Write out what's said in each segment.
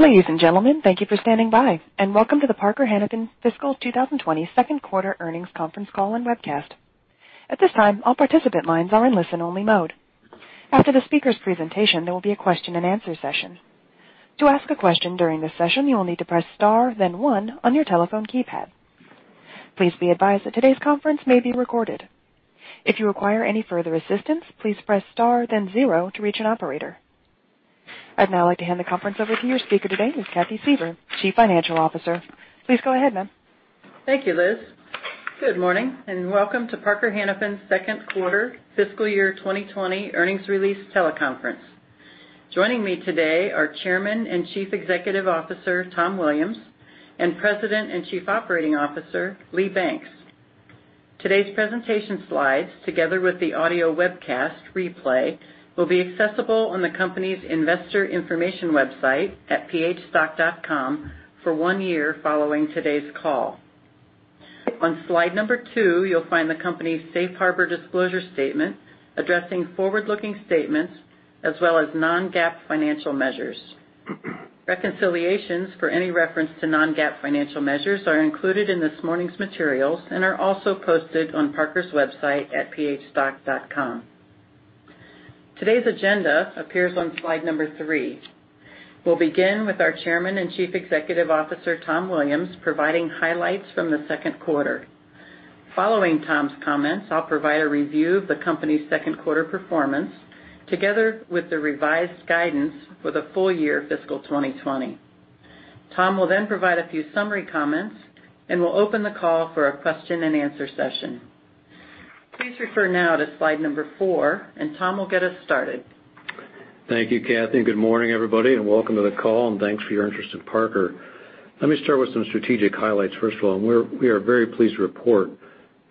Ladies and gentlemen, thank you for standing by, and welcome to the Parker Hannifin fiscal 2020 second quarter earnings conference call and webcast. At this time, all participant lines are in listen only mode. After the speaker's presentation, there will be a question and answer session. To ask a question during this session, you will need to press star then one on your telephone keypad. Please be advised that today's conference may be recorded. If you require any further assistance, please press star then zero to reach an operator. I'd now like to hand the conference over to your speaker today, Ms. Cathy Suever, Chief Financial Officer. Please go ahead, ma'am. Thank you, Liz. Good morning, welcome to Parker Hannifin's second quarter fiscal year 2020 earnings release teleconference. Joining me today are Chairman and Chief Executive Officer, Tom Williams, and President and Chief Operating Officer, Lee Banks. Today's presentation slides, together with the audio webcast replay, will be accessible on the company's investor information website at phstock.com for one year following today's call. On slide number two, you'll find the company's safe harbor disclosure statement addressing forward-looking statements, as well as non-GAAP financial measures. Reconciliations for any reference to non-GAAP financial measures are included in this morning's materials and are also posted on Parker's website at phstock.com. Today's agenda appears on slide number three. We'll begin with our Chairman and Chief Executive Officer, Tom Williams, providing highlights from the second quarter. Following Tom's comments, I'll provide a review of the company's second quarter performance, together with the revised guidance for the full year fiscal 2020. Tom will then provide a few summary comments, and we'll open the call for a question and answer session. Please refer now to slide number four, and Tom will get us started. Thank you, Cathy. Good morning, everybody, and welcome to the call, and thanks for your interest in Parker Hannifin. Let me start with some strategic highlights. First of all, we are very pleased to report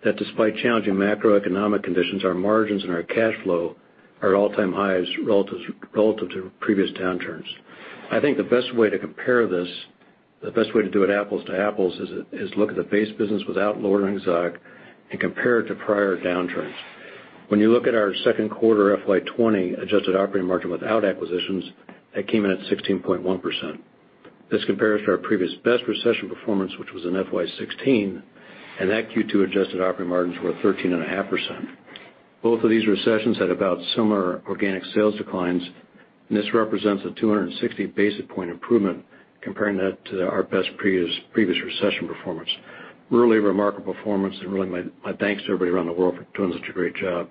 that despite challenging macroeconomic conditions, our margins and our cash flow are at all-time highs relative to previous downturns. I think the best way to compare this, the best way to do it apples to apples, is look at the base business without LORD and Exotic and compare it to prior downturns. When you look at our second quarter FY 2020 adjusted operating margin without acquisitions, that came in at 16.1%. This compares to our previous best recession performance, which was in FY 2016, and that Q2 adjusted operating margins were 13.5%. Both of these recessions had about similar organic sales declines. This represents a 260 basis points improvement comparing that to our best previous recession performance. Really remarkable performance. My thanks to everybody around the world for doing such a great job.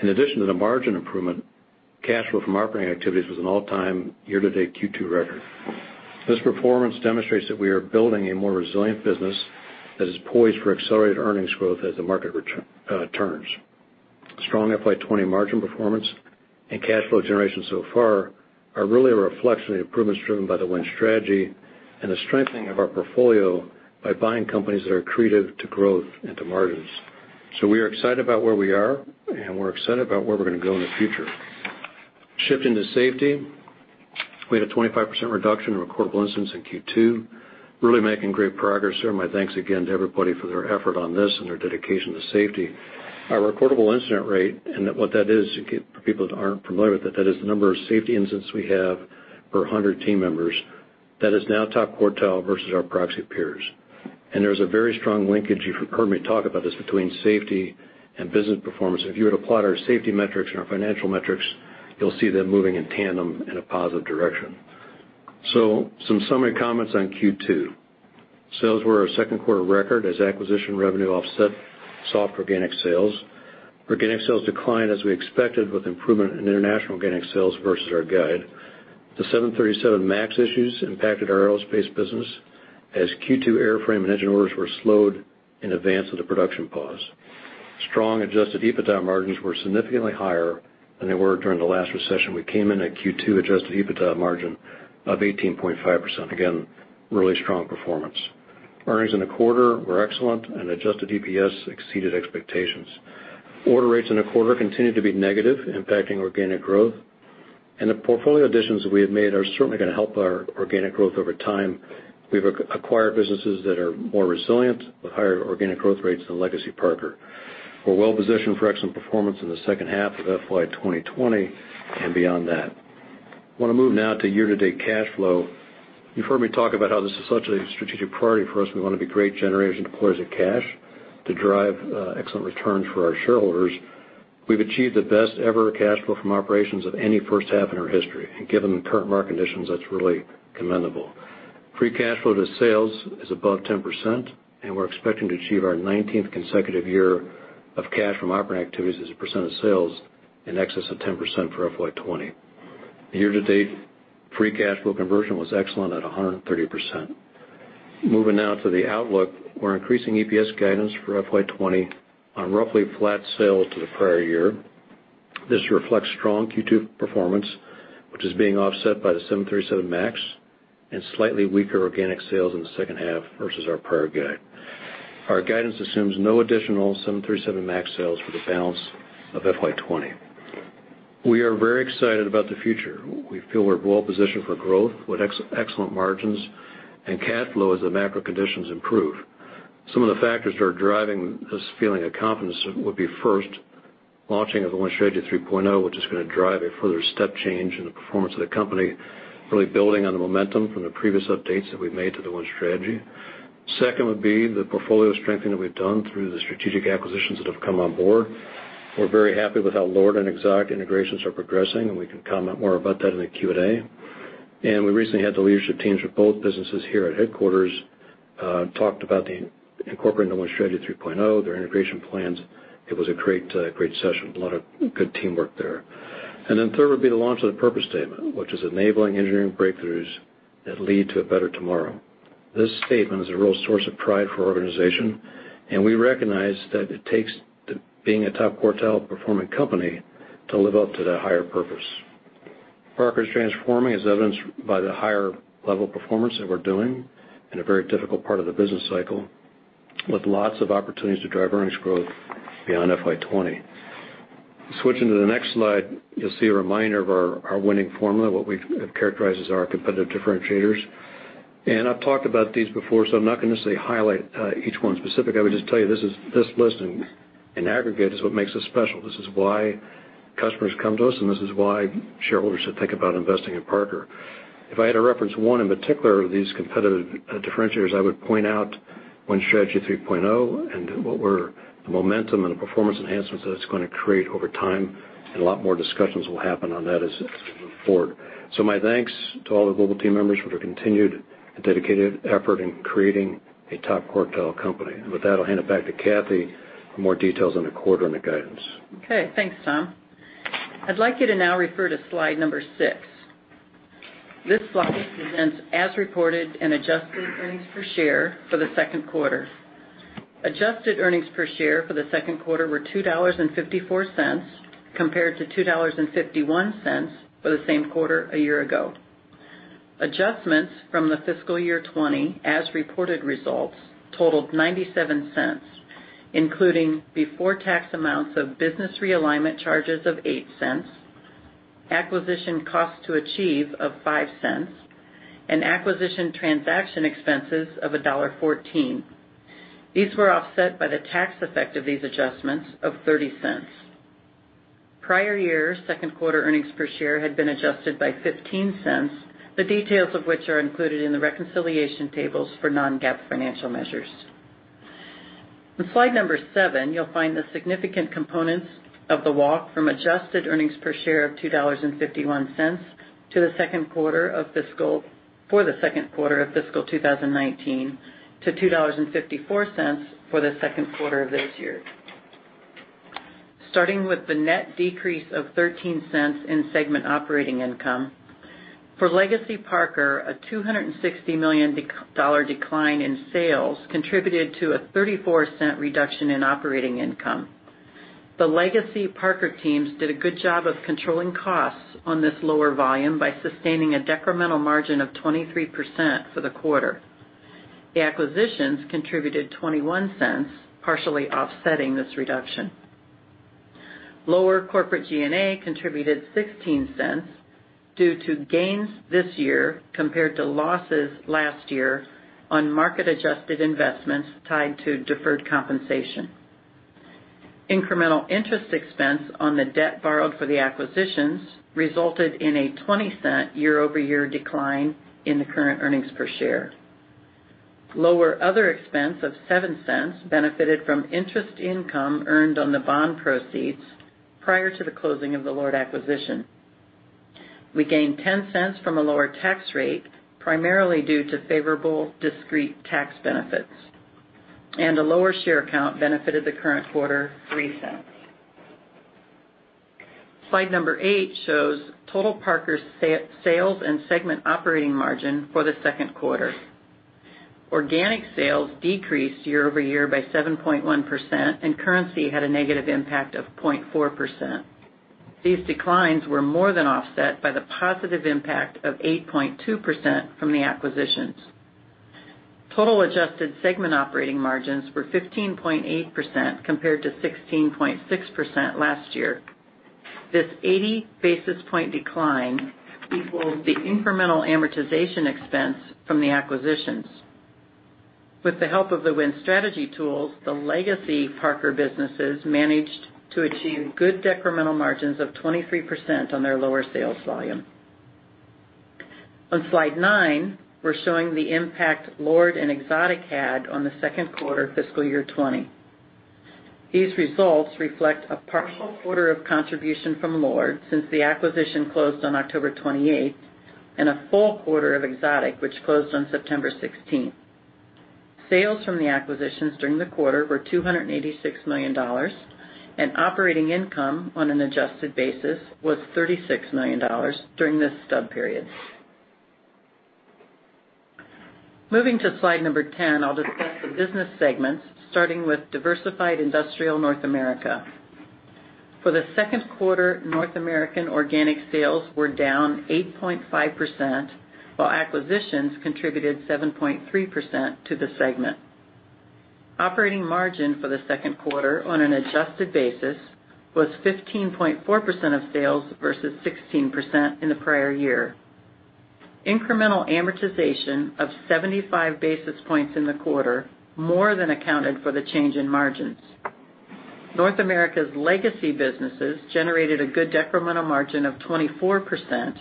In addition to the margin improvement, cash flow from operating activities was an all-time year-to-date Q2 record. This performance demonstrates that we are building a more resilient business that is poised for accelerated earnings growth as the market returns. Strong FY 2020 margin performance and cash flow generation so far are really a reflection of the improvements driven by the Win Strategy and the strengthening of our portfolio by buying companies that are accretive to growth and to margins. We are excited about where we are, and we're excited about where we're going to go in the future. Shifting to safety, we had a 25% reduction in recordable incidents in Q2. Really making great progress here. My thanks again to everybody for their effort on this and their dedication to safety. Our recordable incident rate, and what that is, for people that aren't familiar with it, that is the number of safety incidents we have per 100 team members. That is now top quartile versus our proxy peers. There's a very strong linkage, you've heard me talk about this, between safety and business performance. If you were to plot our safety metrics and our financial metrics, you'll see them moving in tandem in a positive direction. Some summary comments on Q2. Sales were a second quarter record as acquisition revenue offset soft organic sales. Organic sales declined as we expected, with improvement in international organic sales versus our guide. The 737 MAX issues impacted our aerospace business as Q2 airframe and engine orders were slowed in advance of the production pause. Strong adjusted EBITDA margins were significantly higher than they were during the last recession. We came in at Q2 adjusted EBITDA margin of 18.5%. Again, really strong performance. Earnings in the quarter were excellent and adjusted EPS exceeded expectations. Order rates in the quarter continued to be negative, impacting organic growth. The portfolio additions we have made are certainly going to help our organic growth over time. We've acquired businesses that are more resilient with higher organic growth rates than legacy Parker. We're well positioned for excellent performance in the second half of FY 2020 and beyond that. I want to move now to year-to-date cash flow. You've heard me talk about how this is such a strategic priority for us. We want to be great generators and deployers of cash to drive excellent returns for our shareholders. We've achieved the best ever cash flow from operations of any first half in our history, and given the current market conditions, that's really commendable. Free cash flow to sales is above 10%, and we're expecting to achieve our 19th consecutive year of cash from operating activities as a percent of sales in excess of 10% for FY 2020. Year to date, free cash flow conversion was excellent at 130%. Moving now to the outlook. We're increasing EPS guidance for FY 2020 on roughly flat sales to the prior year. This reflects strong Q2 performance, which is being offset by the 737 MAX and slightly weaker organic sales in the second half versus our prior guide. Our guidance assumes no additional 737 MAX sales for the balance of FY 2020. We are very excited about the future. We feel we're well positioned for growth with excellent margins and cash flow as the macro conditions improve. Some of the factors that are driving this feeling of confidence would be, First, launching of the Win Strategy 3.0, which is going to drive a further step change in the performance of the company, really building on the momentum from the previous updates that we've made to the Win Strategy. Second would be the portfolio strengthening that we've done through the strategic acquisitions that have come on board. We're very happy with how LORD and Exotic integrations are progressing. We can comment more about that in the Q&A. We recently had the leadership teams for both businesses here at headquarters, talked about the incorporating the Win Strategy 3.0, their integration plans. It was a great session. A lot of good teamwork there. Third would be the launch of the purpose statement, which is enabling engineering breakthroughs that lead to a better tomorrow. This statement is a real source of pride for our organization, and we recognize that it takes being a top quartile performing company to live up to that higher purpose. Parker's transforming, as evidenced by the higher level of performance that we're doing in a very difficult part of the business cycle, with lots of opportunities to drive earnings growth beyond FY 2020. Switching to the next slide, you'll see a reminder of our winning formula, what we've characterized as our competitive differentiators. I've talked about these before, so I'm not going to highlight each one specifically. I would just tell you, this list in aggregate is what makes us special. This is why customers come to us, and this is why shareholders should think about investing in Parker. If I had to reference one in particular of these competitive differentiators, I would point out Win Strategy 3.0 and what were the momentum and the performance enhancements that it's going to create over time. A lot more discussions will happen on that as we move forward. My thanks to all the global team members for their continued dedicated effort in creating a top quartile company. With that, I'll hand it back to Cathy for more details on the quarter and the guidance. Okay. Thanks, Tom. I'd like you to now refer to slide number six. This slide presents as reported and adjusted earnings per share for the second quarter. Adjusted earnings per share for the second quarter were $2.54 compared to $2.51 for the same quarter a year ago. Adjustments from the fiscal year 2020 as reported results totaled $0.97, including before-tax amounts of business realignment charges of $0.08, acquisition costs to achieve of $0.05, and acquisition transaction expenses of $1.14. These were offset by the tax effect of these adjustments of $0.30. Prior year second quarter earnings per share had been adjusted by $0.15, the details of which are included in the reconciliation tables for non-GAAP financial measures. On slide number seven, you'll find the significant components of the walk from adjusted earnings per share of $2.51 for the second quarter of fiscal 2019 to $2.54 for the second quarter of this year. Starting with the net decrease of $0.13 in segment operating income, for legacy Parker, a $260 million decline in sales contributed to a $0.34 reduction in operating income. The legacy Parker teams did a good job of controlling costs on this lower volume by sustaining a decremental margin of 23% for the quarter. The acquisitions contributed $0.21, partially offsetting this reduction. Lower corporate G&A contributed $0.16 due to gains this year compared to losses last year on market-adjusted investments tied to deferred compensation. Incremental interest expense on the debt borrowed for the acquisitions resulted in a $0.20 year-over-year decline in the current earnings per share. Lower other expense of $0.07 benefited from interest income earned on the bond proceeds prior to the closing of the LORD acquisition. We gained $0.10 from a lower tax rate, primarily due to favorable discrete tax benefits. A lower share count benefited the current quarter $0.03. Slide number eight shows total Parker sales and segment operating margin for the second quarter. Organic sales decreased year-over-year by 7.1%. Currency had a negative impact of 0.4%. These declines were more than offset by the positive impact of 8.2% from the acquisitions. Total adjusted segment operating margins were 15.8% compared to 16.6% last year. This 80 basis point decline equals the incremental amortization expense from the acquisitions. With the help of the Win Strategy tools, the legacy Parker businesses managed to achieve good decremental margins of 23% on their lower sales volume. On slide nine, we're showing the impact LORD and Exotic had on the second quarter fiscal year 2020. These results reflect a partial quarter of contribution from LORD, since the acquisition closed on October 28th, and a full quarter of Exotic, which closed on September 16th. Sales from the acquisitions during the quarter were $286 million, and operating income on an adjusted basis was $36 million during this stub period. Moving to slide number 10, I'll discuss the business segments, starting with Diversified Industrial North America. For the second quarter, North American organic sales were down 8.5%, while acquisitions contributed 7.3% to the segment. Operating margin for the second quarter on an adjusted basis was 15.4% of sales versus 16% in the prior year. Incremental amortization of 75 basis points in the quarter more than accounted for the change in margins. North America's legacy businesses generated a good decremental margin of 24%,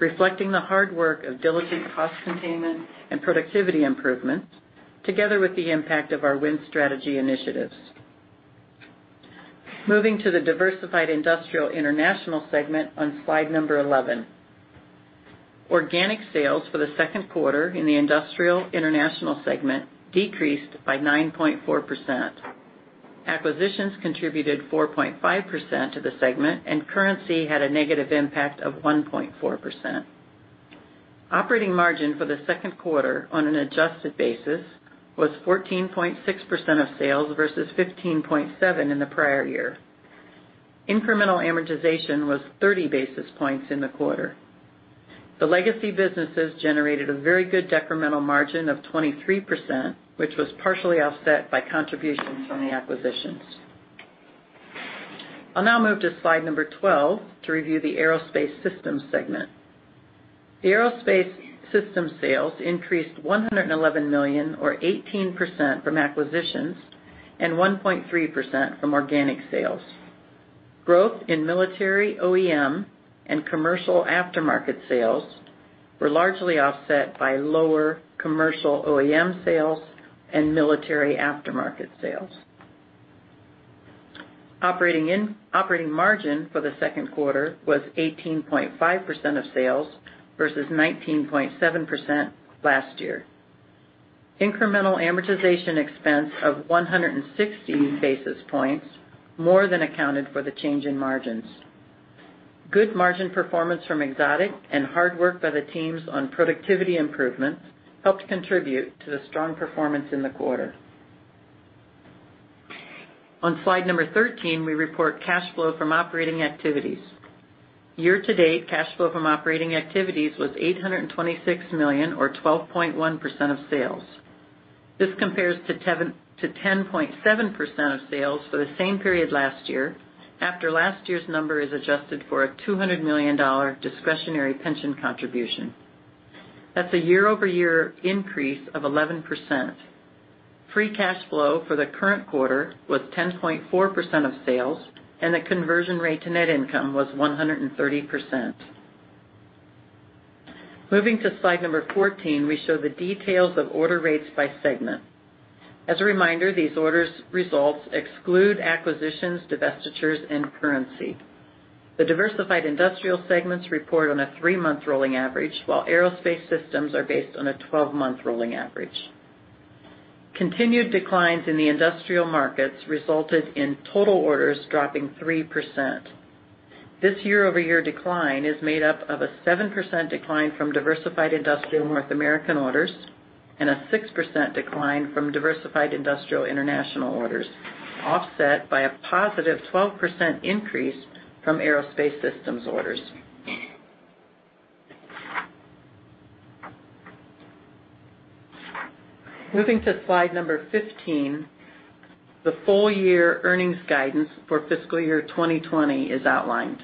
reflecting the hard work of diligent cost containment and productivity improvements, together with the impact of our Win Strategy initiatives. Moving to the Diversified Industrial International segment on slide number 11. Organic sales for the second quarter in the Industrial International segment decreased by 9.4%. Acquisitions contributed 4.5% to the segment. Currency had a negative impact of 1.4%. Operating margin for the second quarter on an adjusted basis was 14.6% of sales versus 15.7% in the prior year. Incremental amortization was 30 basis points in the quarter. The legacy businesses generated a very good decremental margin of 23%, which was partially offset by contributions from the acquisitions. I'll now move to slide number 12 to review the Aerospace Systems segment. The Aerospace System sales increased $111 million, or 18%, from acquisitions and 1.3% from organic sales. Growth in military OEM and commercial aftermarket sales were largely offset by lower commercial OEM sales and military aftermarket sales. Operating margin for the second quarter was 18.5% of sales versus 19.7% last year. Incremental amortization expense of 160 basis points more than accounted for the change in margins. Good margin performance from Exotic and LORD by the teams on productivity improvements helped contribute to the strong performance in the quarter. On slide number 13, we report cash flow from operating activities. Year-to-date cash flow from operating activities was $826 million, or 12.1% of sales. This compares to 10.7% of sales for the same period last year, after last year's number is adjusted for a $200 million discretionary pension contribution. That's a year-over-year increase of 11%. Free cash flow for the current quarter was 10.4% of sales, and the conversion rate to net income was 130%. Moving to slide 14, we show the details of order rates by segment. As a reminder, these orders results exclude acquisitions, divestitures, and currency. The Diversified Industrial segments report on a three-month rolling average, while Aerospace Systems are based on a 12-month rolling average. Continued declines in the industrial markets resulted in total orders dropping 3%. This year-over-year decline is made up of a 7% decline from Diversified Industrial North America orders and a 6% decline from Diversified Industrial International orders, offset by a positive 12% increase from Aerospace Systems orders. Moving to slide 15, the full year earnings guidance for fiscal year 2020 is outlined.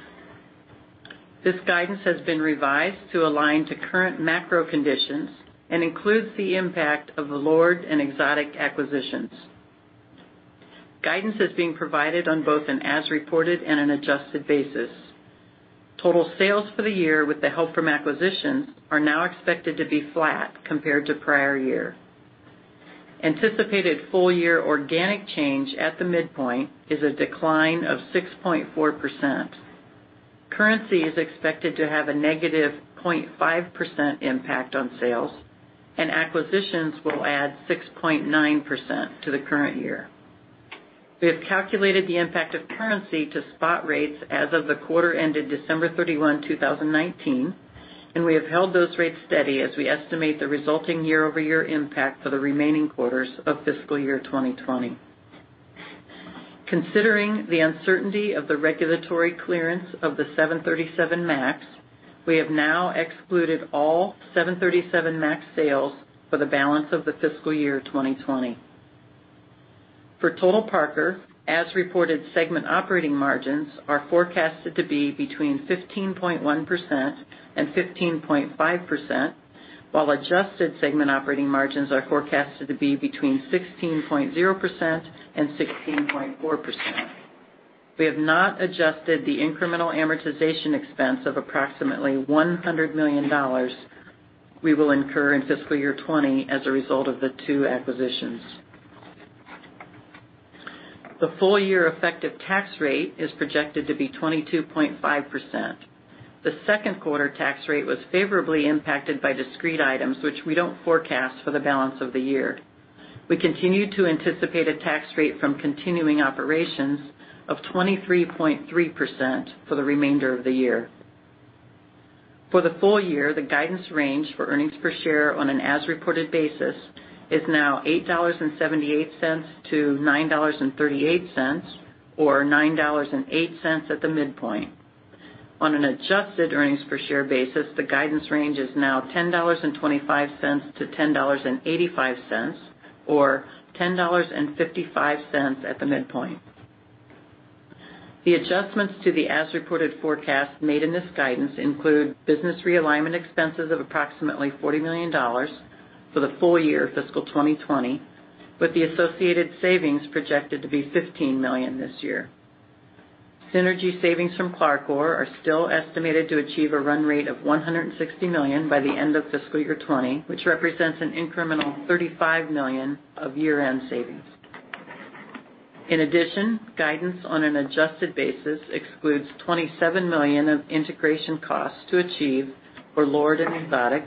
This guidance has been revised to align to current macro conditions and includes the impact of the LORD and Exotic acquisitions. Guidance is being provided on both an as-reported and an adjusted basis. Total sales for the year with the help from acquisitions are now expected to be flat compared to prior year. Anticipated full year organic change at the midpoint is a decline of 6.4%. Currency is expected to have a negative 0.5% impact on sales, and acquisitions will add 6.9% to the current year. We have calculated the impact of currency to spot rates as of the quarter ended December 31, 2019, and we have held those rates steady as we estimate the resulting year-over-year impact for the remaining quarters of fiscal year 2020. Considering the uncertainty of the regulatory clearance of the 737 MAX, we have now excluded all 737 MAX sales for the balance of the fiscal year 2020. For total Parker, as-reported segment operating margins are forecasted to be between 15.1% and 15.5%, while adjusted segment operating margins are forecasted to be between 16.0% and 16.4%. We have not adjusted the incremental amortization expense of approximately $100 million we will incur in fiscal year 2020 as a result of the two acquisitions. The full year effective tax rate is projected to be 22.5%. The second quarter tax rate was favorably impacted by discrete items, which we don't forecast for the balance of the year. We continue to anticipate a tax rate from continuing operations of 23.3% for the remainder of the year. For the full year, the guidance range for earnings per share on an as-reported basis is now $8.78 to $9.38, or $9.08 at the midpoint. On an adjusted earnings per share basis, the guidance range is now $10.25-$10.85 or $10.55 at the midpoint. The adjustments to the as-reported forecast made in this guidance include business realignment expenses of approximately $40 million for the full year fiscal 2020, with the associated savings projected to be $15 million this year. Synergy savings from Clarcor are still estimated to achieve a run rate of $160 million by the end of fiscal year 2020, which represents an incremental $35 million of year-end savings. Guidance on an adjusted basis excludes $27 million of integration costs to achieve for LORD and Exotic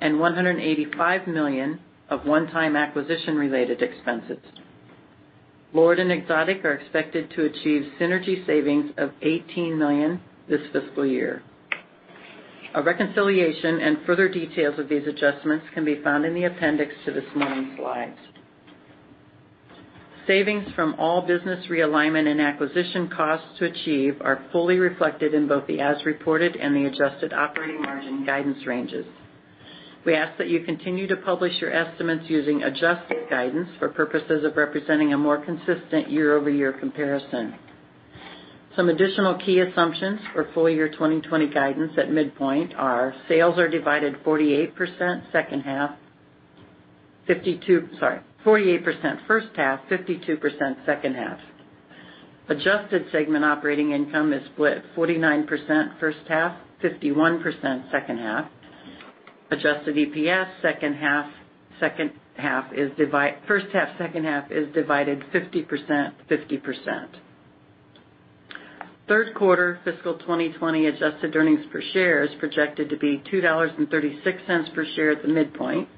and $185 million of one-time acquisition related expenses. LORD and Exotic are expected to achieve synergy savings of $18 million this fiscal year. A reconciliation and further details of these adjustments can be found in the appendix to this morning's slides. Savings from all business realignment and acquisition costs to achieve are fully reflected in both the as-reported and the adjusted operating margin guidance ranges. We ask that you continue to publish your estimates using adjusted guidance for purposes of representing a more consistent year-over-year comparison. Some additional key assumptions for full-year 2020 guidance at midpoint are, sales are divided 48% first half, 52% second half. Adjusted segment operating income is split 49% first half, 51% second half. Adjusted EPS, first half, second half is divided 50%, 50%. Third quarter fiscal 2020 adjusted earnings per share is projected to be $2.36 per share at the midpoint,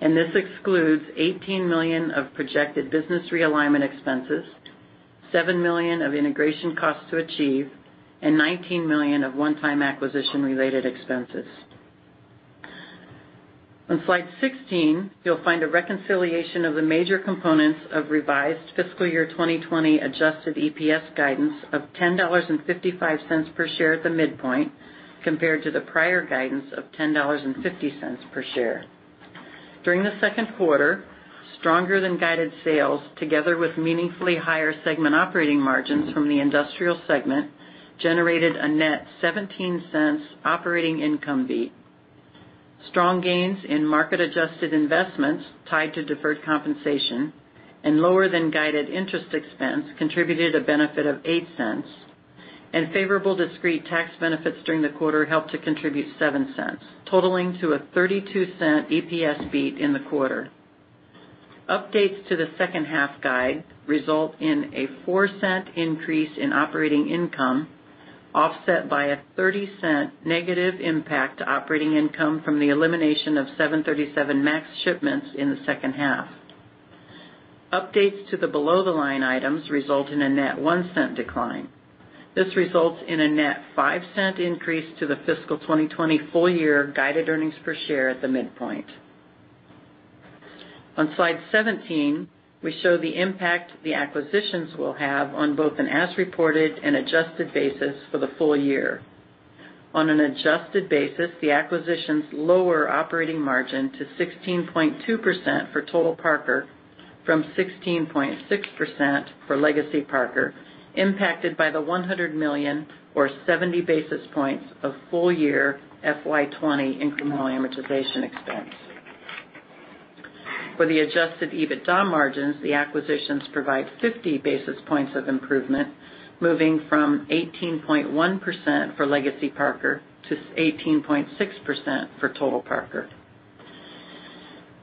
and this excludes $18 million of projected business realignment expenses, $7 million of integration costs to achieve, and $19 million of one-time acquisition related expenses. On slide 16, you'll find a reconciliation of the major components of revised fiscal year 2020 adjusted EPS guidance of $10.55 per share at the midpoint compared to the prior guidance of $10.50 per share. During the second quarter, stronger than guided sales, together with meaningfully higher segment operating margins from the industrial segment, generated a net $0.17 operating income beat. Strong gains in market-adjusted investments tied to deferred compensation and lower than guided interest expense contributed a benefit of $0.08, and favorable discrete tax benefits during the quarter helped to contribute $0.07, totaling to a $0.32 EPS beat in the quarter. Updates to the second half guide result in a $0.04 increase in operating income, offset by a $0.30 negative impact to operating income from the elimination of 737 MAX shipments in the second half. Updates to the below the line items result in a net $0.01 decline. This results in a net $0.05 increase to the fiscal 2020 full year guided earnings per share at the midpoint. On Slide 17, we show the impact the acquisitions will have on both an as reported and adjusted basis for the full year. On an adjusted basis, the acquisitions lower operating margin to 16.2% for total Parker from 16.6% for legacy Parker, impacted by the $100 million or 70 basis points of full year FY 2020 incremental amortization expense. For the adjusted EBITDA margins, the acquisitions provide 50 basis points of improvement, moving from 18.1% for legacy Parker to 18.6% for total Parker.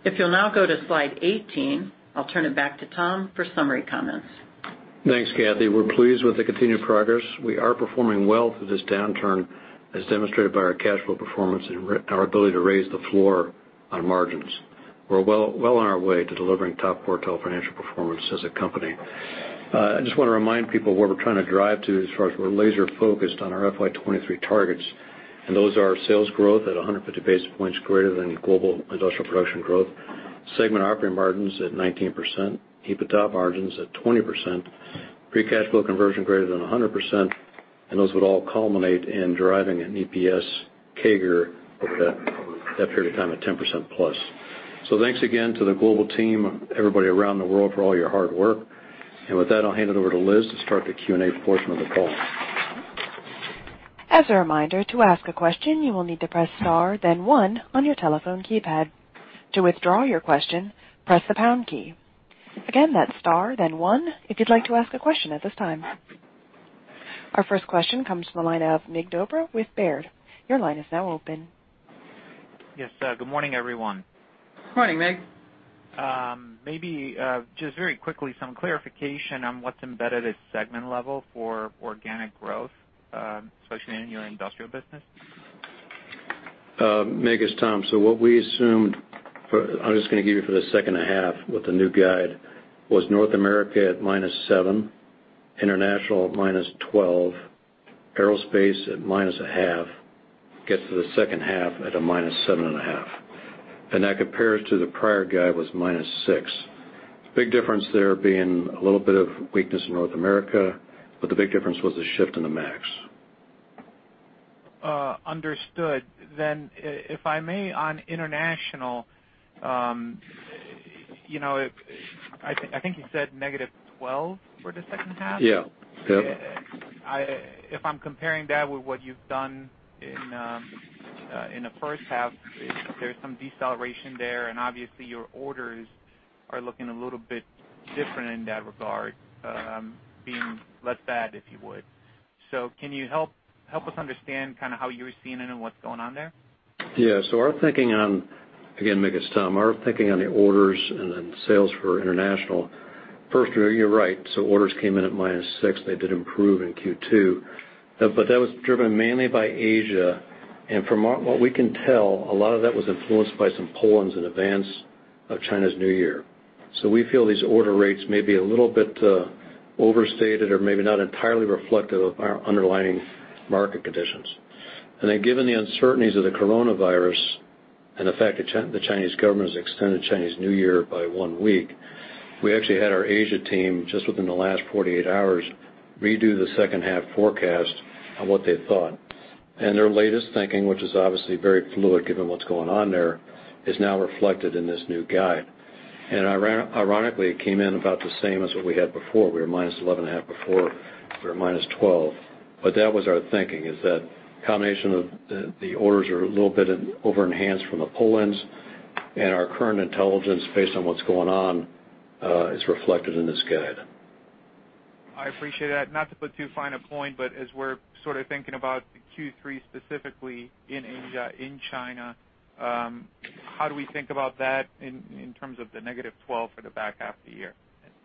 If you'll now go to Slide 18, I'll turn it back to Tom for summary comments. Thanks, Cathy. We're pleased with the continued progress. We are performing well through this downturn, as demonstrated by our cash flow performance and our ability to raise the floor on margins. We're well on our way to delivering top quartile financial performance as a company. I just want to remind people where we're trying to drive to as far as we're laser focused on our FY 2023 targets. Those are sales growth at 150 basis points greater than global industrial production growth, segment operating margins at 19%, EBITDA margins at 20%, free cash flow conversion greater than 100%, and those would all culminate in driving an EPS CAGR over that period of time of 10%+. Thanks again to the global team, everybody around the world for all your hard work. With that, I'll hand it over to Liz to start the Q&A portion of the call. As a reminder, to ask a question, you will need to press star then one on your telephone keypad. To withdraw your question, press the pound key. Again, that's star then one, if you'd like to ask a question at this time. Our first question comes from the line of Mig Dobre with Baird. Your line is now open. Yes. Good morning, everyone. Morning, Mig. Maybe, just very quickly, some clarification on what's embedded at segment level for organic growth, especially in your industrial business. Mig, it's Tom. What we assumed for I'm just going to give you for the second half with the new guide, was North America at -7, International at -12, Aerospace at -1/2, gets to the second half at a -7.5. That compares to the prior guide was -6. Big difference there being a little bit of weakness in North America, but the big difference was the shift in the MAX. Understood. If I may, on international, I think you said -12% for the second half? Yeah. If I'm comparing that with what you've done in the first half, there's some deceleration there, and obviously your orders are looking a little bit different in that regard, being less bad, if you would. Can you help us understand how you're seeing it and what's going on there? Our thinking on, again, Mig, it's Tom. Our thinking on the orders and then sales for international, first, you're right. Orders came in at -6. They did improve in Q2, but that was driven mainly by Asia. From what we can tell, a lot of that was influenced by some pull-ins in advance of China's New Year. We feel these order rates may be a little bit overstated or maybe not entirely reflective of our underlying market conditions. Given the uncertainties of the coronavirus, and the fact the Chinese government has extended Chinese New Year by one week, we actually had our Asia team, just within the last 48 hours, redo the second half forecast on what they thought. Their latest thinking, which is obviously very fluid given what's going on there, is now reflected in this new guide. Ironically, it came in about the same as what we had before. We were -11.5 before. We're at -12. That was our thinking, is that combination of the orders are a little bit over-enhanced from the pull-ins, and our current intelligence based on what's going on, is reflected in this guide. I appreciate that. Not to put too fine a point, but as we're sort of thinking about the Q3 specifically in Asia, in China, how do we think about that in terms of the -12% for the back half of the year?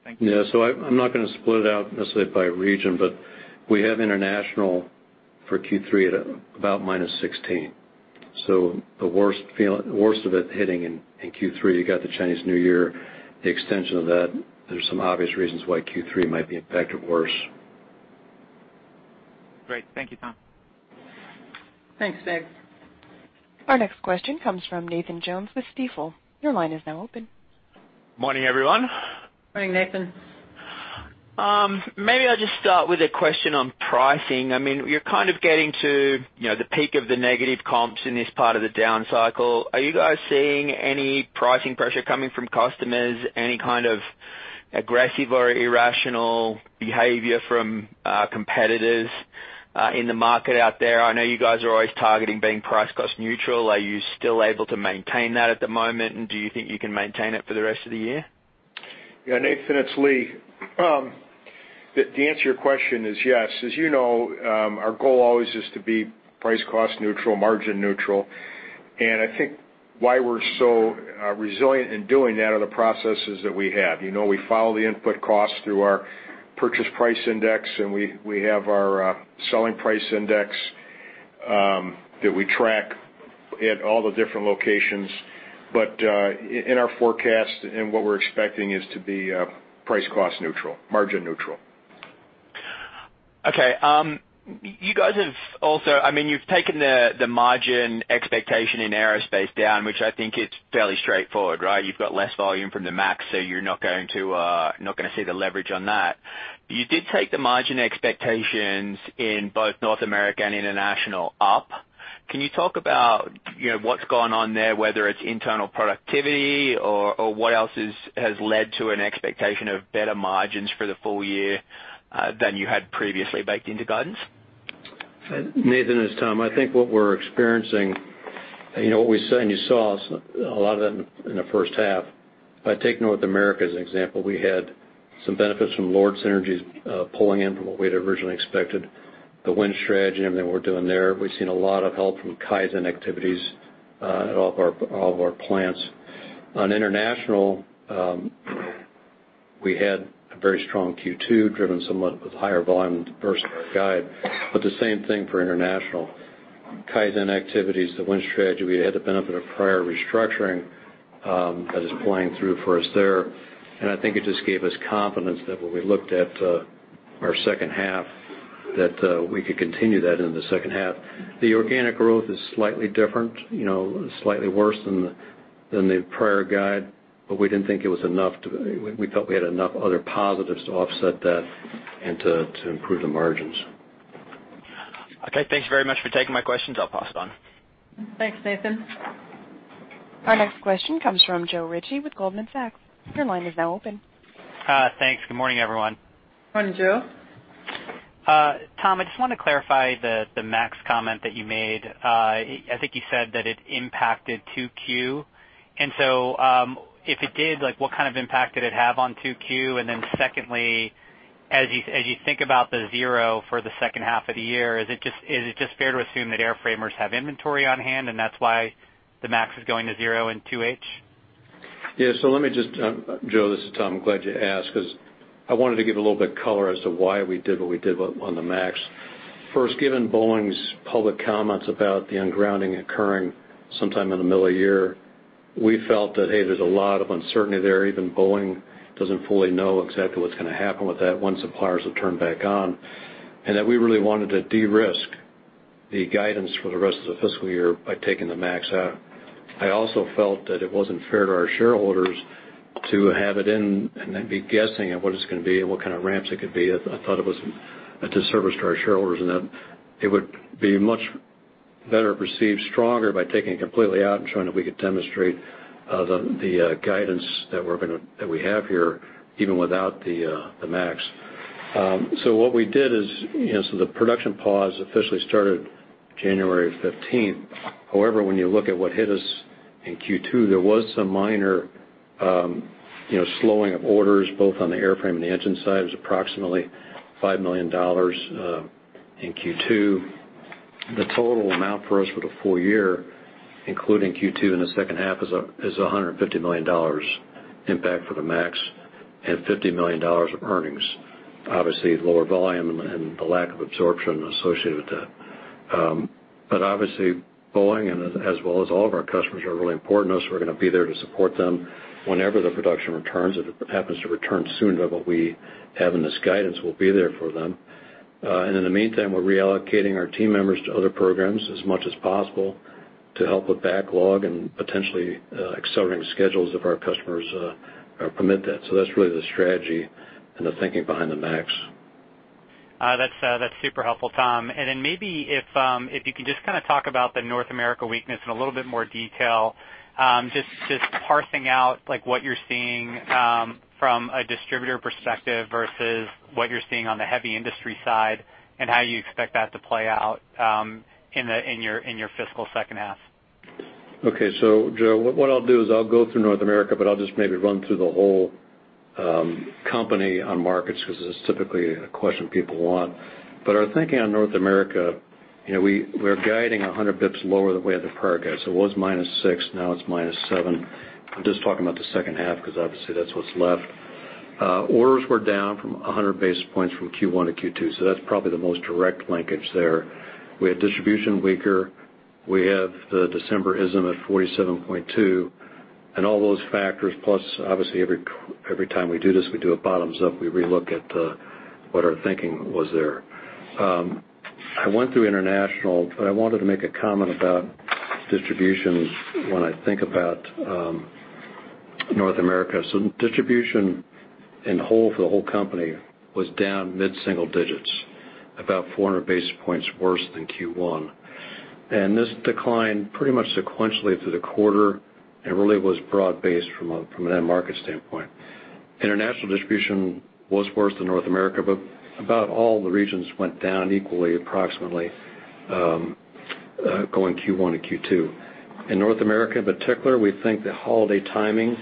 Thank you. Yeah. I'm not going to split it out necessarily by region, but we have international for Q3 at about -16%. The worst of it hitting in Q3. You got the Chinese New Year, the extension of that. There's some obvious reasons why Q3 might be impacted worse. Great. Thank you, Tom. Thanks, Mig. Our next question comes from Nathan Jones with Stifel. Your line is now open. Morning, everyone. Morning, Nathan. I'll just start with a question on pricing. You're kind of getting to the peak of the negative comps in this part of the down cycle. Are you guys seeing any pricing pressure coming from customers? Any kind of aggressive or irrational behavior from competitors in the market out there? I know you guys are always targeting being price cost neutral. Are you still able to maintain that at the moment, and do you think you can maintain it for the rest of the year? Yeah, Nathan, it's Lee. The answer to your question is yes. As you know, our goal always is to be price cost neutral, margin neutral. I think why we're so resilient in doing that are the processes that we have. We follow the input costs through our purchase price index, and we have our selling price index, that we track at all the different locations. In our forecast, and what we're expecting is to be price cost neutral, margin neutral. Okay. You guys have also taken the margin expectation in aerospace down, which I think it's fairly straightforward, right? You've got less volume from the MAX, so you're not going to see the leverage on that. You did take the margin expectations in both North America and international up. Can you talk about what's gone on there, whether it's internal productivity or what else has led to an expectation of better margins for the full year, than you had previously baked into guidance? Nathan, it's Tom. I think what we're experiencing, you saw a lot of that in the first half. If I take North America as an example, we had some benefits from LORD synergies pulling in from what we had originally expected, the Win Strategy and everything we're doing there. We've seen a lot of help from Kaizen activities, at all of our plants. On international, we had a very strong Q2, driven somewhat with higher volume versus our guide, the same thing for international. Kaizen activities, the Win Strategy. We had the benefit of prior restructuring, that is playing through for us there. I think it just gave us confidence that when we looked at our second half, that we could continue that into the second half. The organic growth is slightly different, slightly worse than the prior guide, but we felt we had enough other positives to offset that and to improve the margins. Okay. Thank you very much for taking my questions. I'll pass it on. Thanks, Nathan. Our next question comes from Joe Ritchie with Goldman Sachs. Your line is now open. Thanks. Good morning, everyone. Morning, Joe. Tom, I just want to clarify the MAX comment that you made. I think you said that it impacted 2Q. If it did, what kind of impact did it have on 2Q? Secondly, as you think about the zero for the second half of the year, is it just fair to assume that airframers have inventory on hand and that's why the MAX is going to zero in 2H? Yeah. Joe, this is Tom. I'm glad you asked because I wanted to give a little bit of color as to why we did what we did on the MAX. First, given Boeing's public comments about the ungrounding occurring sometime in the middle of the year, we felt that, hey, there's a lot of uncertainty there. Even Boeing doesn't fully know exactly what's going to happen with that once suppliers have turned back on. That we really wanted to de-risk the guidance for the rest of the fiscal year by taking the MAX out. I also felt that it wasn't fair to our shareholders to have it in and then be guessing at what it's going to be and what kind of ramps it could be, I thought it was a disservice to our shareholders, and that it would be much better perceived stronger by taking it completely out and showing that we could demonstrate the guidance that we have here, even without the MAX. What we did is, the production pause officially started January 15th. However, when you look at what hit us in Q2, there was some minor slowing of orders, both on the airframe and the engine side. It was approximately $5 million in Q2. The total amount for us for the full year, including Q2 and the second half, is $150 million impact for the MAX and $50 million of earnings. Obviously, lower volume and the lack of absorption associated with that. Obviously, Boeing, as well as all of our customers, are really important to us. We're going to be there to support them whenever the production returns. If it happens to return sooner than what we have in this guidance, we'll be there for them. In the meantime, we're reallocating our team members to other programs as much as possible to help with backlog and potentially accelerating schedules if our customers permit that. That's really the strategy and the thinking behind the MAX. That's super helpful, Tom. Maybe if you could just kind of talk about the North America weakness in a little bit more detail. Just parsing out what you're seeing from a distributor perspective versus what you're seeing on the heavy industry side, and how you expect that to play out in your fiscal second half. Joe, what I'll do is I'll go through North America, but I'll just maybe run through the whole company on markets, because it's typically a question people want. Our thinking on North America, we're guiding 100 basis points lower than we had the prior guide. It was -6, now it's -7. I'm just talking about the second half, because obviously that's what's left. Orders were down from 100 basis points from Q1 to Q2, so that's probably the most direct linkage there. We had distribution weaker. We have the December ISM at 47.2. All those factors, plus obviously every time we do this, we do a bottoms up, we re-look at what our thinking was there. I went through international, but I wanted to make a comment about distribution when I think about North America. Distribution in whole for the whole company was down mid-single digits, about 400 basis points worse than Q1. This declined pretty much sequentially through the quarter, and really was broad-based from an end market standpoint. International distribution was worse than North America, but about all the regions went down equally approximately, going Q1 to Q2. In North America in particular, we think the holiday timing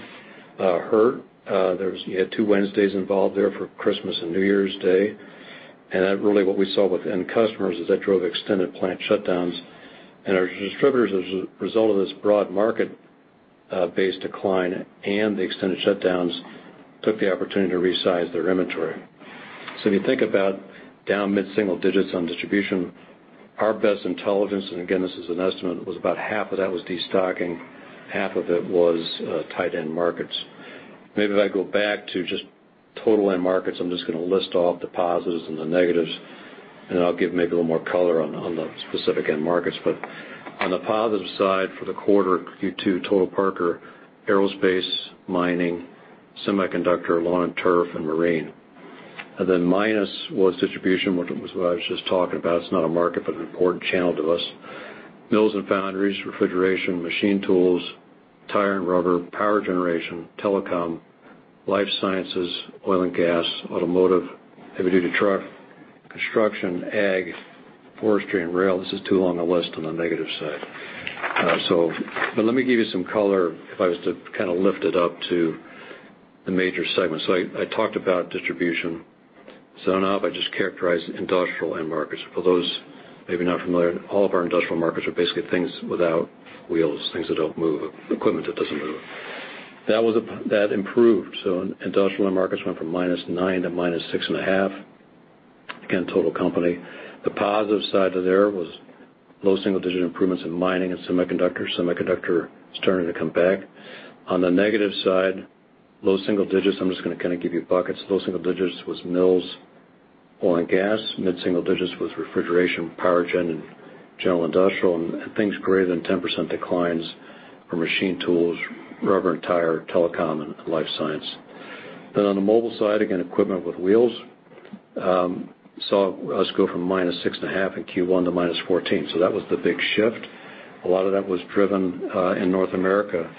hurt. You had two Wednesdays involved there for Christmas and New Year's Day. That really what we saw with end customers is that drove extended plant shutdowns. Our distributors, as a result of this broad market-based decline and the extended shutdowns, took the opportunity to resize their inventory. When you think about down mid-single digits on distribution, our best intelligence, and again, this is an estimate, was about half of that was de-stocking, half of it was tight end markets. Maybe if I go back to just total end markets, I'm just going to list off the positives and the negatives, and then I'll give maybe a little more color on the specific end markets. On the positive side for the quarter, Q2, total Parker Aerospace, Mining, Semiconductor, Lawn and Turf, and Marine. Minus was distribution, which was what I was just talking about. It's not a market, but an important channel to us. Mills and Foundries, Refrigeration, Machine Tools, Tire and Rubber, Power Generation, Telecom, Life Sciences, Oil and Gas, Automotive, Heavy Duty Truck, Construction, Ag, Forestry, and Rail. This is too long a list on the negative side. Let me give you some color if I was to kind of lift it up to the major segments. I talked about distribution. Now if I just characterize industrial end markets. For those maybe not familiar, all of our industrial markets are basically things without wheels, things that don't move, equipment that doesn't move. That improved. Industrial end markets went from -9 to -6.5. Again, total company. The positive side to there was low single-digit improvements in Mining and semiconductor. Semiconductor is starting to come back. On the negative side, low single digits, I'm just going to kind of give you buckets. Low single digits was Mills, Oil and Gas. Mid-single digits was Refrigeration, Power Gen, and General Industrial. Things greater than 10% declines are Machine Tools, Rubber and Tire, Telecom, and Life Science. On the mobile side, again, equipment with wheels, saw us go from -6.5% in Q1 to -14%. That was the big shift. A lot of that was driven in North America.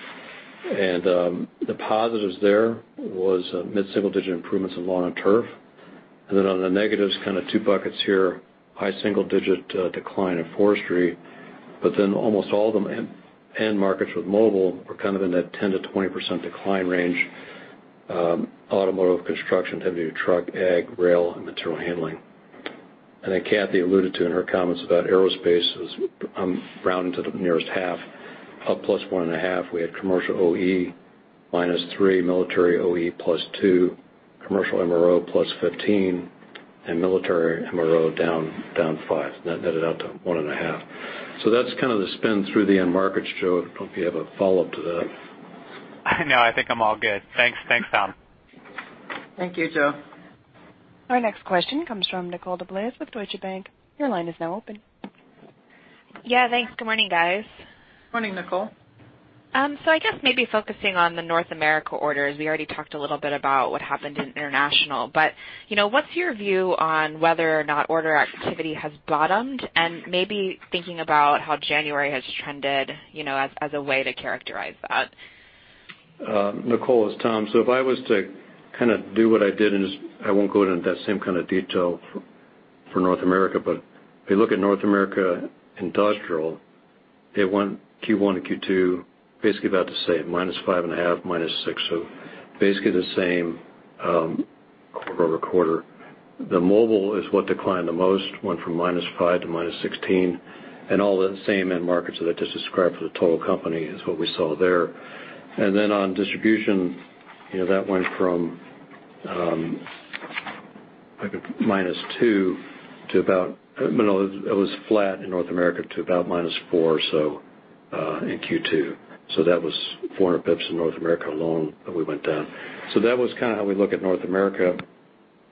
The positives there was mid-single digit improvements in Lawn and Turf. On the negatives, kind of two buckets here, high single digit decline in Forestry, but almost all the end markets with mobile were kind of in that 10%-20% decline range. Automotive, Construction, Heavy Duty Truck, Ag, Rail, and Material Handling. Cathy Suever alluded to in her comments about Aerospace Systems, I'm rounding to the nearest half, up +1.5%. We had Commercial OE -3%, Military OE +2%, Commercial MRO +15%, and Military MRO -5%. That netted out to 1.5%. That's kind of the spin through the end markets, Joe. I don't know if you have a follow-up to that. No, I think I'm all good. Thanks, Tom. Thank you, Joe. Our next question comes from Nicole DeBlase with Deutsche Bank. Your line is now open. Yeah, thanks. Good morning, guys. Morning, Nicole. I guess maybe focusing on the North America orders, we already talked a little bit about what happened in international, but what's your view on whether or not order activity has bottomed and maybe thinking about how January has trended, as a way to characterize that? Nicole, it's Tom. If I was to do what I did, and I won't go into that same kind of detail for North America, but if you look at North America industrial, Q1 and Q2, basically about the same, -5.5, -6. Basically the same over a quarter. The mobile is what declined the most, went from -5 to -16, and all the same end markets that I just described for the total company is what we saw there. On distribution, that went from, like, a -2 to about It was flat in North America to about -4 or so in Q2. That was 400 basis points in North America alone that we went down. That was kind of how we look at North America.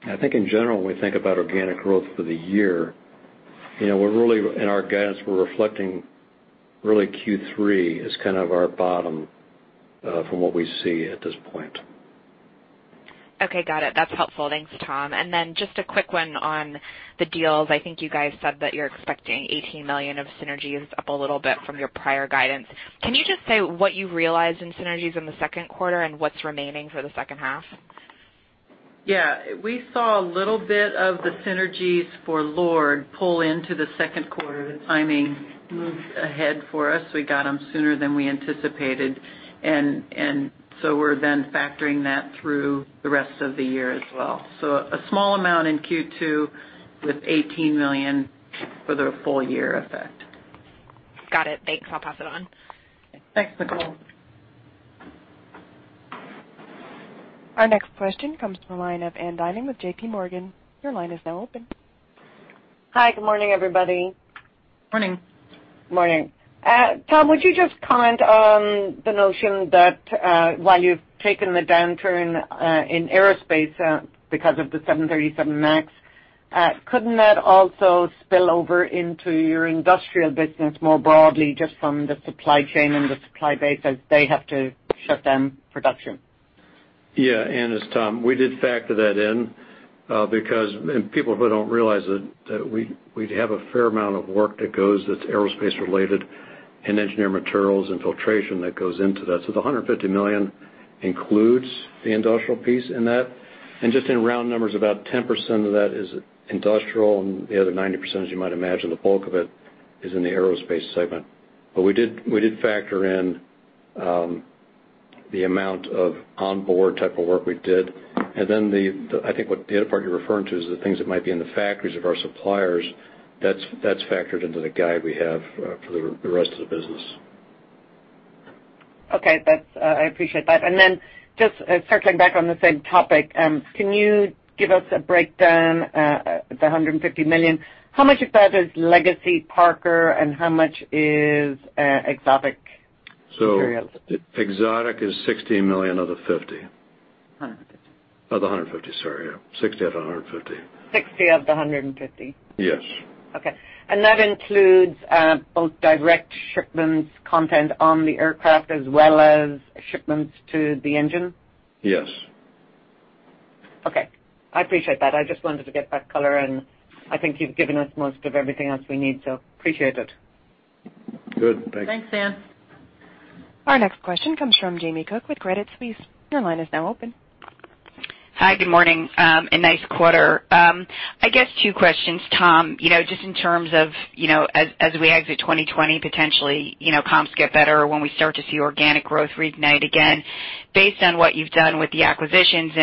I think in general, when we think about organic growth for the year, in our guidance, we're reflecting really Q3 as kind of our bottom from what we see at this point. Okay, got it. That's helpful. Thanks, Tom. Then just a quick one on the deals. I think you guys said that you're expecting $18 million of synergies up a little bit from your prior guidance. Can you just say what you realized in synergies in the second quarter and what's remaining for the second half? Yeah. We saw a little bit of the synergies for LORD pull into the second quarter. The timing moved ahead for us. We got them sooner than we anticipated, and so we're then factoring that through the rest of the year as well. A small amount in Q2 with $18 million for the full year effect. Got it. Thanks, I'll pass it on. Thanks, Nicole. Our next question comes from the line of Ann Duignan with JPMorgan. Your line is now open. Hi, good morning, everybody. Morning. Morning. Tom, would you just comment on the notion that, while you've taken the downturn in aerospace because of the 737 MAX, couldn't that also spill over into your industrial business more broadly, just from the supply chain and the supply base as they have to shut down production? Ann, it's Tom. We did factor that in, because people who don't realize that we'd have a fair amount of work that goes that's aerospace related in engineered materials and filtration that goes into that. The $150 million includes the industrial piece in that. Just in round numbers, about 10% of that is industrial, and the other 90%, as you might imagine, the bulk of it is in the Aerospace Systems. We did factor in the amount of onboard type of work we did. Then I think what the other part you're referring to is the things that might be in the factories of our suppliers. That's factored into the guide we have for the rest of the business. Okay. I appreciate that. Just circling back on the same topic, can you give us a breakdown of the $150 million? How much of that is legacy Parker and how much is Exotic? Exotic is $60 million of the $50. $150. Of the $150, sorry. Yeah. $60 out of $150. $60 of the $150? Yes. Okay. That includes both direct shipments content on the aircraft as well as shipments to the engine? Yes. Okay. I appreciate that. I just wanted to get that color, and I think you've given us most of everything else we need, so appreciate it. Good. Thanks. Thanks, Ann. Our next question comes from Jamie Cook with Credit Suisse. Your line is now open. Hi, good morning. A nice quarter. I guess two questions, Tom. Just in terms of as we exit 2020, potentially, comps get better or when we start to see organic growth reignite again, based on what you've done with the acquisitions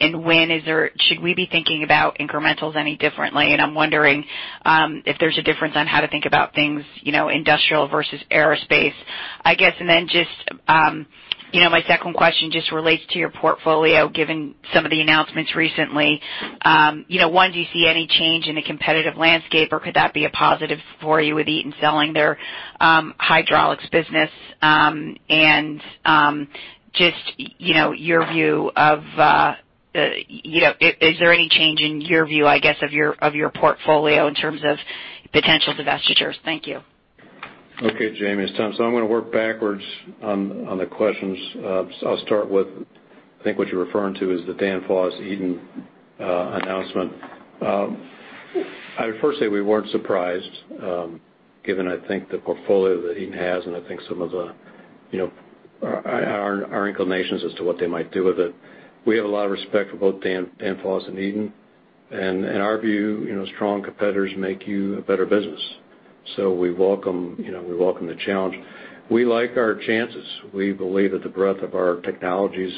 and when, should we be thinking about incrementals any differently? I'm wondering if there's a difference on how to think about things, industrial versus aerospace. I guess, my second question just relates to your portfolio, given some of the announcements recently. One, do you see any change in the competitive landscape, or could that be a positive for you with Eaton selling their hydraulics business? Just your view of, is there any change in your view, I guess, of your portfolio in terms of potential divestitures? Thank you. Okay, Jamie, it's Tom. I'm going to work backwards on the questions. I'll start with, I think what you're referring to is the Danfoss Eaton announcement. I would first say we weren't surprised, given, I think, the portfolio that Eaton has, and I think some of our inclinations as to what they might do with it. We have a lot of respect for both Danfoss and Eaton. In our view, strong competitors make you a better business. We welcome the challenge. We like our chances. We believe that the breadth of our technologies,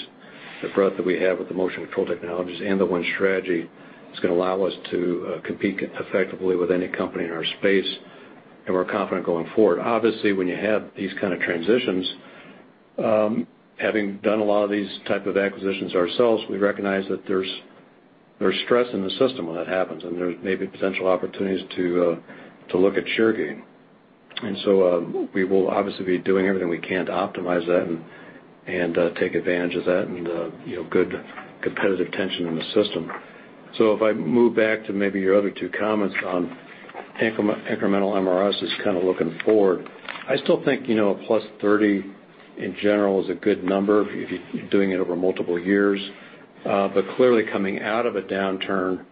the breadth that we have with the motion control technologies and the ONE Strategy is going to allow us to compete effectively with any company in our space, and we're confident going forward. Obviously, when you have these kind of transitions, having done a lot of these type of acquisitions ourselves, we recognize that there's stress in the system when that happens, and there's maybe potential opportunities to look at share gain. We will obviously be doing everything we can to optimize that and take advantage of that and good competitive tension in the system. If I move back to maybe your other two comments on incremental MRS is kind of looking forward. I still think a +30 in general is a good number if you're doing it over multiple years. Clearly coming out of a downturn,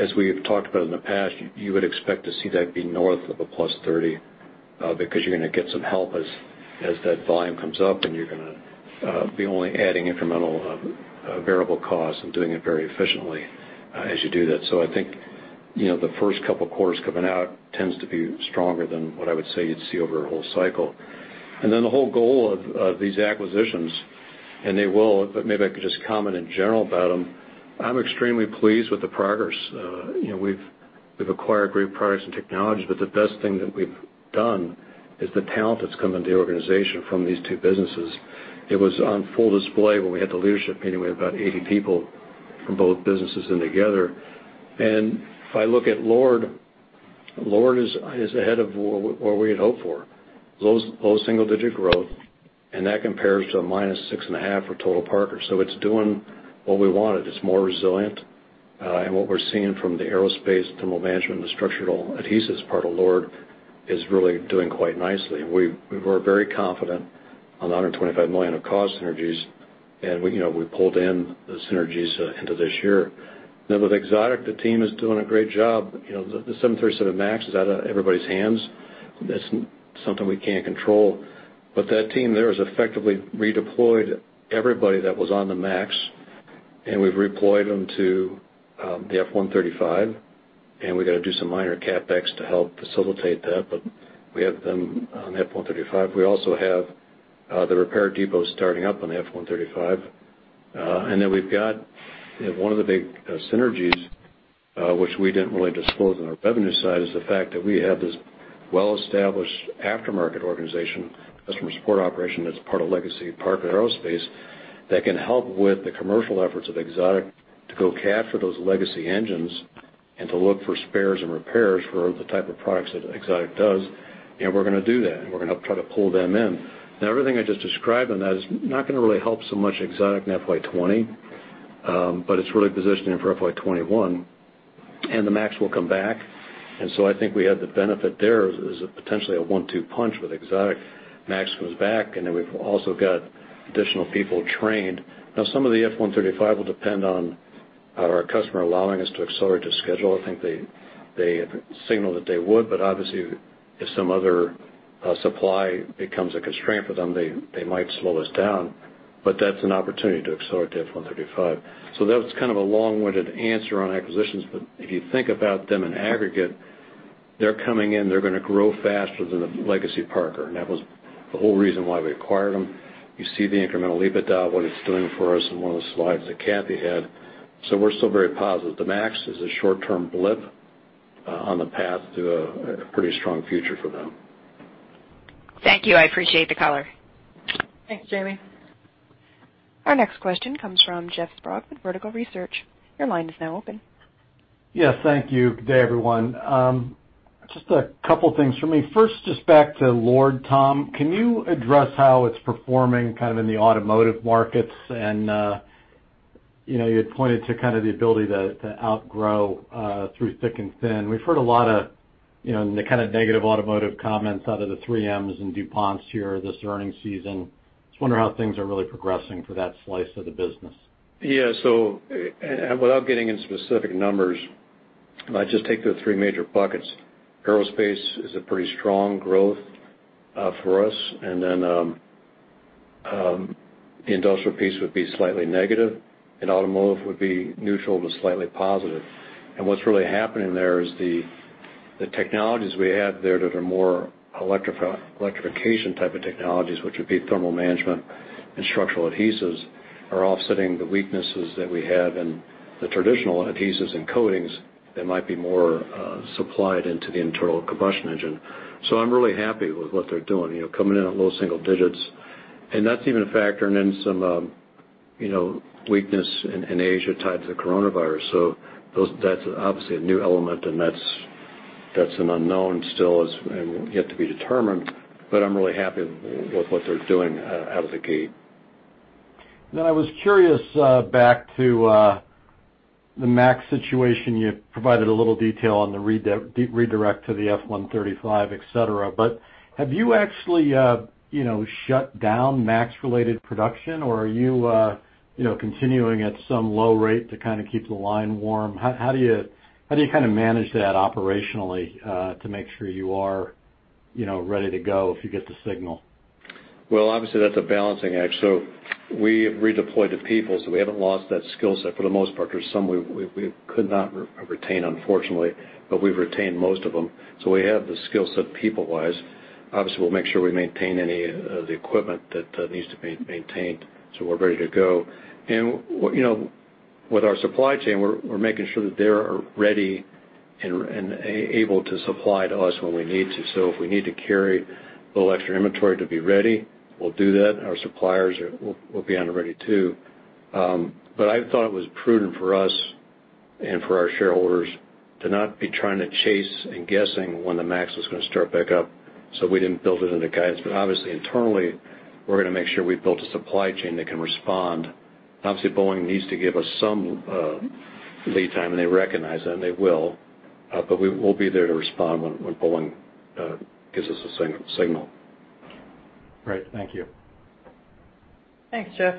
as we have talked about in the past, you would expect to see that be north of a +30, because you're going to get some help as that volume comes up, and you're going to be only adding incremental variable costs and doing it very efficiently as you do that. I think, the first couple quarters coming out tends to be stronger than what I would say you'd see over a whole cycle. Then the whole goal of these acquisitions, and they will, but maybe I could just comment in general about them. I'm extremely pleased with the progress. We've acquired great products and technology, but the best thing that we've done is the talent that's come into the organization from these two businesses. It was on full display when we had the leadership meeting with about 80 people from both businesses in together. If I look at LORD is ahead of what we had hoped for. Low single-digit growth, and that compares to a -6.5% for total Parker. It's doing what we wanted. It's more resilient. What we're seeing from the aerospace thermal management and the structural adhesives part of LORD is really doing quite nicely. We were very confident on the $125 million of cost synergies, and we pulled in the synergies into this year. With Exotic, the team is doing a great job. The 737 MAX is out of everybody's hands. That's something we can't control. That team there has effectively redeployed everybody that was on the MAX, and we've redeployed them to the F135, and we've got to do some minor CapEx to help facilitate that. We have them on the F135. We also have the repair depot starting up on the F135. We've got one of the big synergies, which we didn't really disclose on our revenue side, is the fact that we have this well-established aftermarket organization, customer support operation that's part of legacy Parker Aerospace, that can help with the commercial efforts of Exotic to go capture those legacy engines and to look for spares and repairs for the type of products that Exotic does. We're going to do that, and we're going to help try to pull them in. Everything I just described on that is not going to really help so much Exotic in FY 2020, but it's really positioning for FY 2021. The MAX will come back. I think we have the benefit there as potentially a one-two punch with Exotic. MAX comes back, and then we've also got additional people trained. Some of the F135 will depend on our customer allowing us to accelerate the schedule. I think they signaled that they would, but obviously, if some other supply becomes a constraint for them, they might slow us down. That's an opportunity to accelerate the F135. That was kind of a long-winded answer on acquisitions, but if you think about them in aggregate, they're coming in, they're going to grow faster than the legacy Parker, and that was the whole reason why we acquired them. You see the incremental EBITDA, what it's doing for us in one of the slides that Cathy had. We're still very positive. The MAX is a short-term blip on the path to a pretty strong future for them. Thank you. I appreciate the color. Thanks, Jamie. Our next question comes from Jeff Sprague with Vertical Research. Your line is now open. Yes, thank you. Good day, everyone. Just a couple things from me. First, just back to LORD, Tom, can you address how it's performing kind of in the automotive markets? You had pointed to kind of the ability to outgrow through thick and thin. We've heard a lot of the kind of negative automotive comments out of the 3Ms and DuPonts here this earnings season. Just wondering how things are really progressing for that slice of the business. Yeah. Without getting into specific numbers, if I just take the three major buckets, aerospace is a pretty strong growth for us, and then the industrial piece would be slightly negative, and automotive would be neutral to slightly positive. What's really happening there is the technologies we have there that are more electrification type of technologies, which would be thermal management and structural adhesives, are offsetting the weaknesses that we have in the traditional adhesives and coatings that might be more supplied into the internal combustion engine. I'm really happy with what they're doing. Coming in at low single digits. That's even factoring in some weakness in Asia tied to the coronavirus. That's obviously a new element, and that's an unknown still, and yet to be determined, but I'm really happy with what they're doing out of the gate. I was curious, back to the MAX situation, you provided a little detail on the redirect to the F135, et cetera, but have you actually shut down MAX-related production, or are you continuing at some low rate to kind of keep the line warm? How do you kind of manage that operationally to make sure you are ready to go if you get the signal? Obviously, that's a balancing act. We have redeployed the people, so we haven't lost that skill set for the most part. There's some we could not retain, unfortunately, but we've retained most of them. We have the skill set people-wise. Obviously, we'll make sure we maintain any of the equipment that needs to be maintained so we're ready to go. With our supply chain, we're making sure that they are ready and able to supply to us when we need to. If we need to carry a little extra inventory to be ready, we'll do that. Our suppliers will be on the ready, too. I thought it was prudent for us and for our shareholders to not be trying to chase and guessing when the MAX is going to start back up. We didn't build it into guidance. Obviously internally, we're going to make sure we've built a supply chain that can respond. Obviously, Boeing needs to give us some lead time, and they recognize that, and they will. We will be there to respond when Boeing gives us a signal. Great. Thank you. Thanks, Jeff.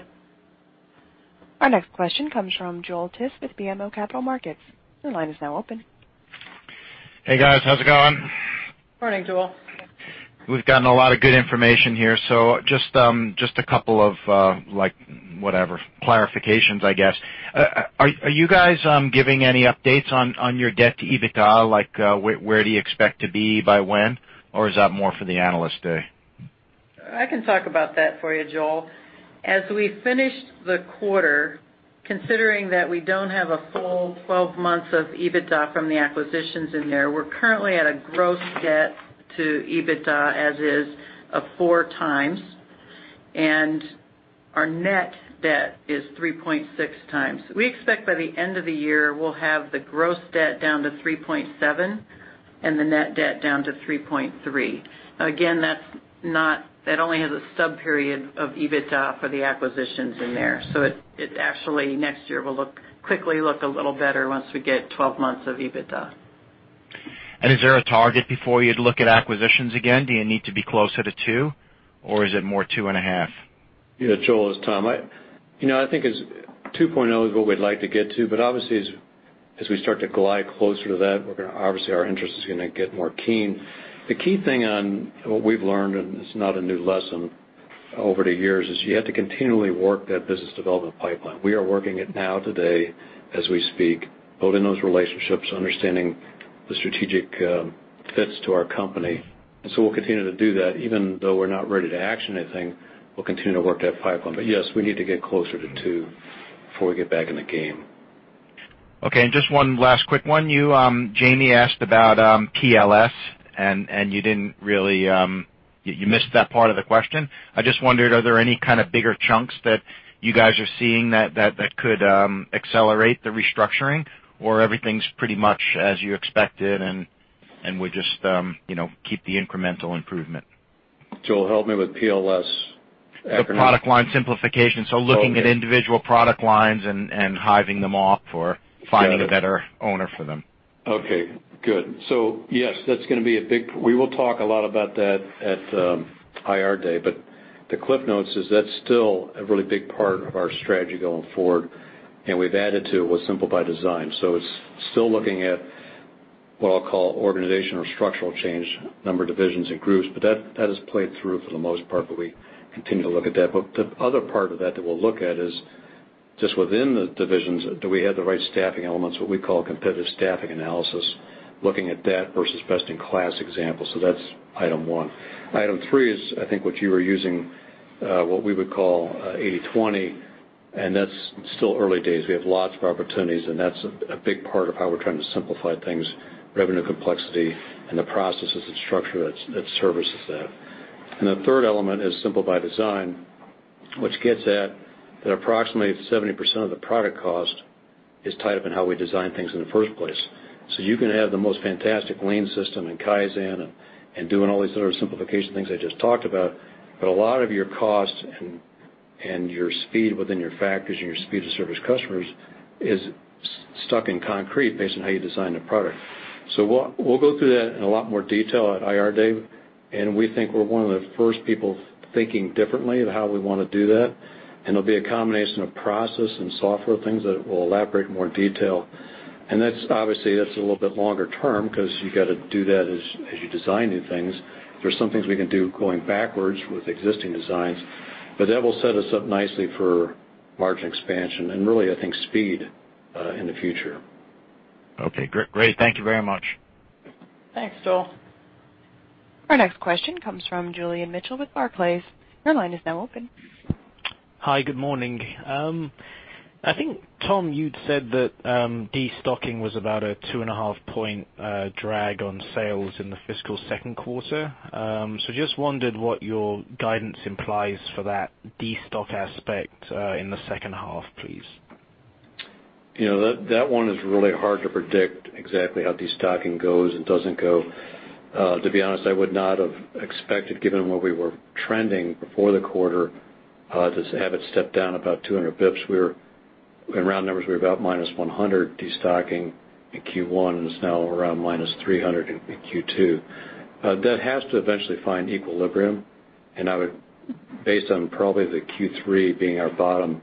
Our next question comes from Joel Tiss with BMO Capital Markets. Your line is now open. Hey, guys. How's it going? Morning, Joel. We've gotten a lot of good information here. Just a couple of clarifications, I guess. Are you guys giving any updates on your debt to EBITDA? Where do you expect to be by when? Is that more for the analyst day? I can talk about that for you, Joel. As we finished the quarter, considering that we don't have a full 12 months of EBITDA from the acquisitions in there, we're currently at a gross debt to EBITDA as is of 4x. Our net debt is 3.6x. We expect by the end of the year, we'll have the gross debt down to 3.7 and the net debt down to 3.3. Again, that only has a sub-period of EBITDA for the acquisitions in there. It actually next year will quickly look a little better once we get 12 months of EBITDA. Is there a target before you'd look at acquisitions again? Do you need to be closer to two, or is it more two and a half? Joel, this is Tom. I think 2.0 is what we'd like to get to, but obviously, as we start to glide closer to that, obviously our interest is going to get keener. The key thing on what we've learned, and it's not a new lesson, over the years, is you have to continually work that business development pipeline. We are working it now today as we speak, building those relationships, understanding the strategic fits to our company. We'll continue to do that. Even though we're not ready to action anything, we'll continue to work that pipeline. Yes, we need to get closer to two before we get back in the game. Okay, just one last quick one. Jamie asked about PLS, you missed that part of the question. I just wondered, are there any kind of bigger chunks that you guys are seeing that could accelerate the restructuring, everything's pretty much as you expected, we just keep the incremental improvement? Joel, help me with PLS acronym. The Product Line Simplification. Okay. Looking at individual product lines and hiving them off- Got it. -finding a better owner for them. Okay, good. Yes, that's going to be. We will talk a lot about that at IR day, but the cliff notes is that's still a really big part of our strategy going forward. We've added to it with Simple by Design. It's still looking at what I'll call organization or structural change, number of divisions and groups, but that has played through for the most part. We continue to look at that. The other part of that we'll look at is just within the divisions, do we have the right staffing elements, what we call competitive staffing analysis, looking at that versus best-in-class examples. That's item one. Item three is, I think what you were using, what we would call 80/20. That's still early days. We have lots of opportunities, that's a big part of how we're trying to simplify things, revenue complexity, and the processes and structure that services that. The third element is Simple by Design, which gets at that approximately 70% of the product cost is tied up in how we design things in the first place. You can have the most fantastic lean system and Kaizen and doing all these other simplification things I just talked about, but a lot of your cost and your speed within your factories and your speed to service customers is stuck in concrete based on how you design the product. We'll go through that in a lot more detail at IR day, and we think we're one of the first people thinking differently of how we want to do that. It'll be a combination of process and software things that we'll elaborate in more detail. Obviously, that's a little bit longer term because you got to do that as you design new things. There's some things we can do going backwards with existing designs. That will set us up nicely for margin expansion and really, I think speed, in the future. Okay, great. Thank you very much. Thanks, Joel. Our next question comes from Julian Mitchell with Barclays. Your line is now open. Hi, good morning. I think, Tom, you'd said that de-stocking was about a two and a half point drag on sales in the fiscal second quarter. Just wondered what your guidance implies for that de-stock aspect, in the second half, please. That one is really hard to predict exactly how de-stocking goes and doesn't go. To be honest, I would not have expected, given where we were trending before the quarter, to have it step down about 200 basis points. In round numbers, we were about -100 de-stocking in Q1, and it's now around -300 in Q2. That has to eventually find equilibrium, and based on probably the Q3 being our bottom,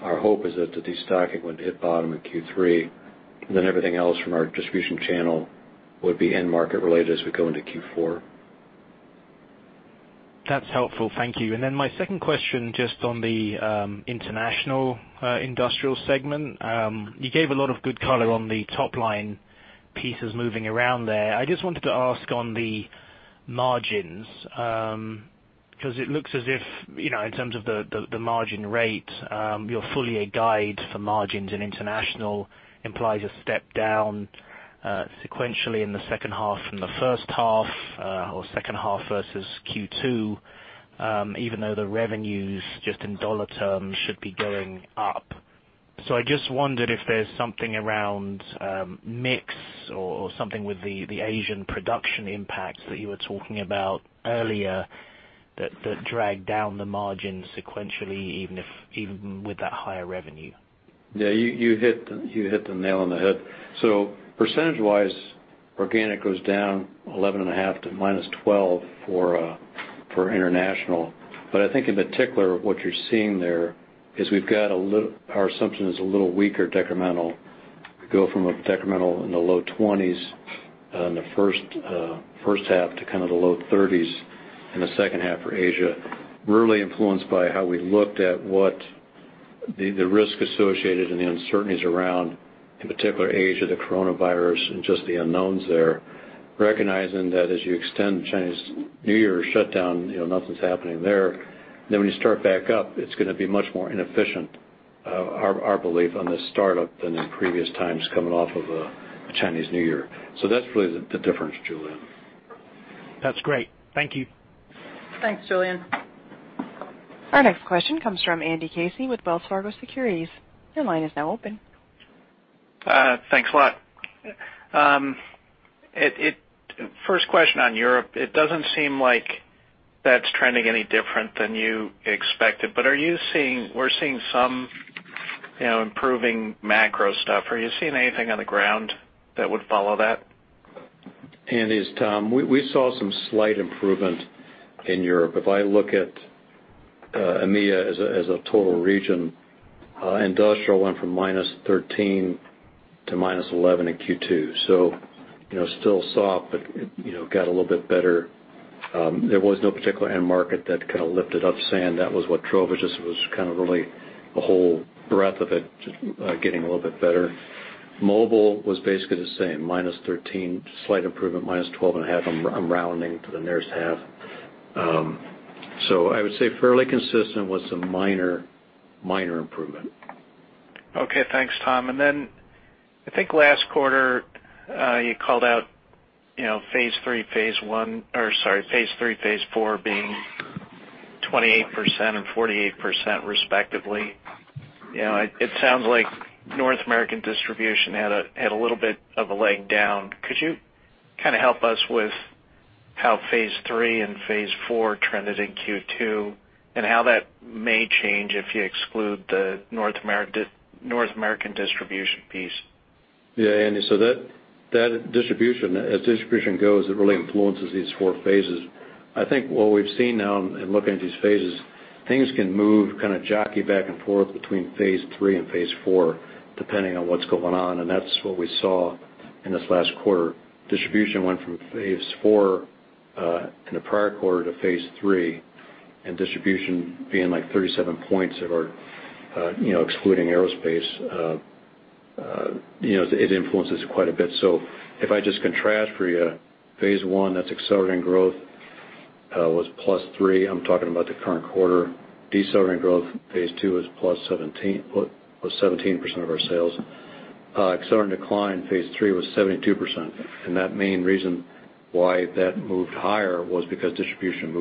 our hope is that the de-stocking would hit bottom in Q3, and then everything else from our distribution channel would be end market related as we go into Q4. That's helpful. Thank you. Then my second question, just on the international industrial segment. You gave a lot of good color on the top-line pieces moving around there. I just wanted to ask on the margins, because it looks as if, in terms of the margin rate, your full-year guide for margins in international implies a step down sequentially in the second half from the first half or second half versus Q2, even though the revenues just in dollar terms should be going up. I just wondered if there's something around mix or something with the Asian production impacts that you were talking about earlier that dragged down the margin sequentially, even with that higher revenue. Yeah, you hit the nail on the head. Percentage-wise, organic was down 11.5 to -12 for international. I think in particular, what you're seeing there is our assumption is a little weaker decremental. We go from a decremental in the low 20s in the first half to kind of the low 30s in the second half for Asia, really influenced by how we looked at what the risk associated and the uncertainties around, in particular Asia, the coronavirus, and just the unknowns there. Recognizing that as you extend the Chinese New Year shutdown, nothing's happening there. When you start back up, it's going to be much more inefficient, our belief on the startup than in previous times coming off of a Chinese New Year. That's really the difference, Julian. That's great. Thank you. Thanks, Julian. Our next question comes from Andy Casey with Wells Fargo Securities. Your line is now open. Thanks a lot. First question on Europe. It doesn't seem like that's trending any different than you expected. We're seeing some improving macro stuff. Are you seeing anything on the ground that would follow that? Andy, it's Tom. We saw some slight improvement in Europe. If I look at EMEA as a total region, industrial went from -13% to -11% in Q2. Still soft, but it got a little bit better. There was no particular end market that kind of lifted up, saying that was what drove it. Just was kind of really the whole breadth of it, just getting a little bit better. Mobile was basically the same, -13%, slight improvement, -12.5%. I'm rounding to the nearest half. I would say fairly consistent with some minor improvement. Thanks, Tom. I think last quarter, you called out phase III, phase IV being 28% and 48% respectively. It sounds like North American distribution had a little bit of a leg down. Could you kind of help us with how phase III and phase IV trended in Q2, and how that may change if you exclude the North American distribution piece? Andy. That distribution, as distribution goes, it really influences these four phases. I think what we've seen now in looking at these phases, things can move, kind of jockey back and forth between phase III and phase IV, depending on what's going on, and that's what we saw in this last quarter. Distribution went from phase IV in the prior quarter to phase III, and distribution being like 37 points of our excluding Aerospace, it influences it quite a bit. If I just contrast for you, phase I, that's accelerating growth, was +3. I'm talking about the current quarter. Decelerating growth, phase II, was 17% of our sales. Accelerating decline, phase III, was 72%, and that main reason why that moved higher was because distribution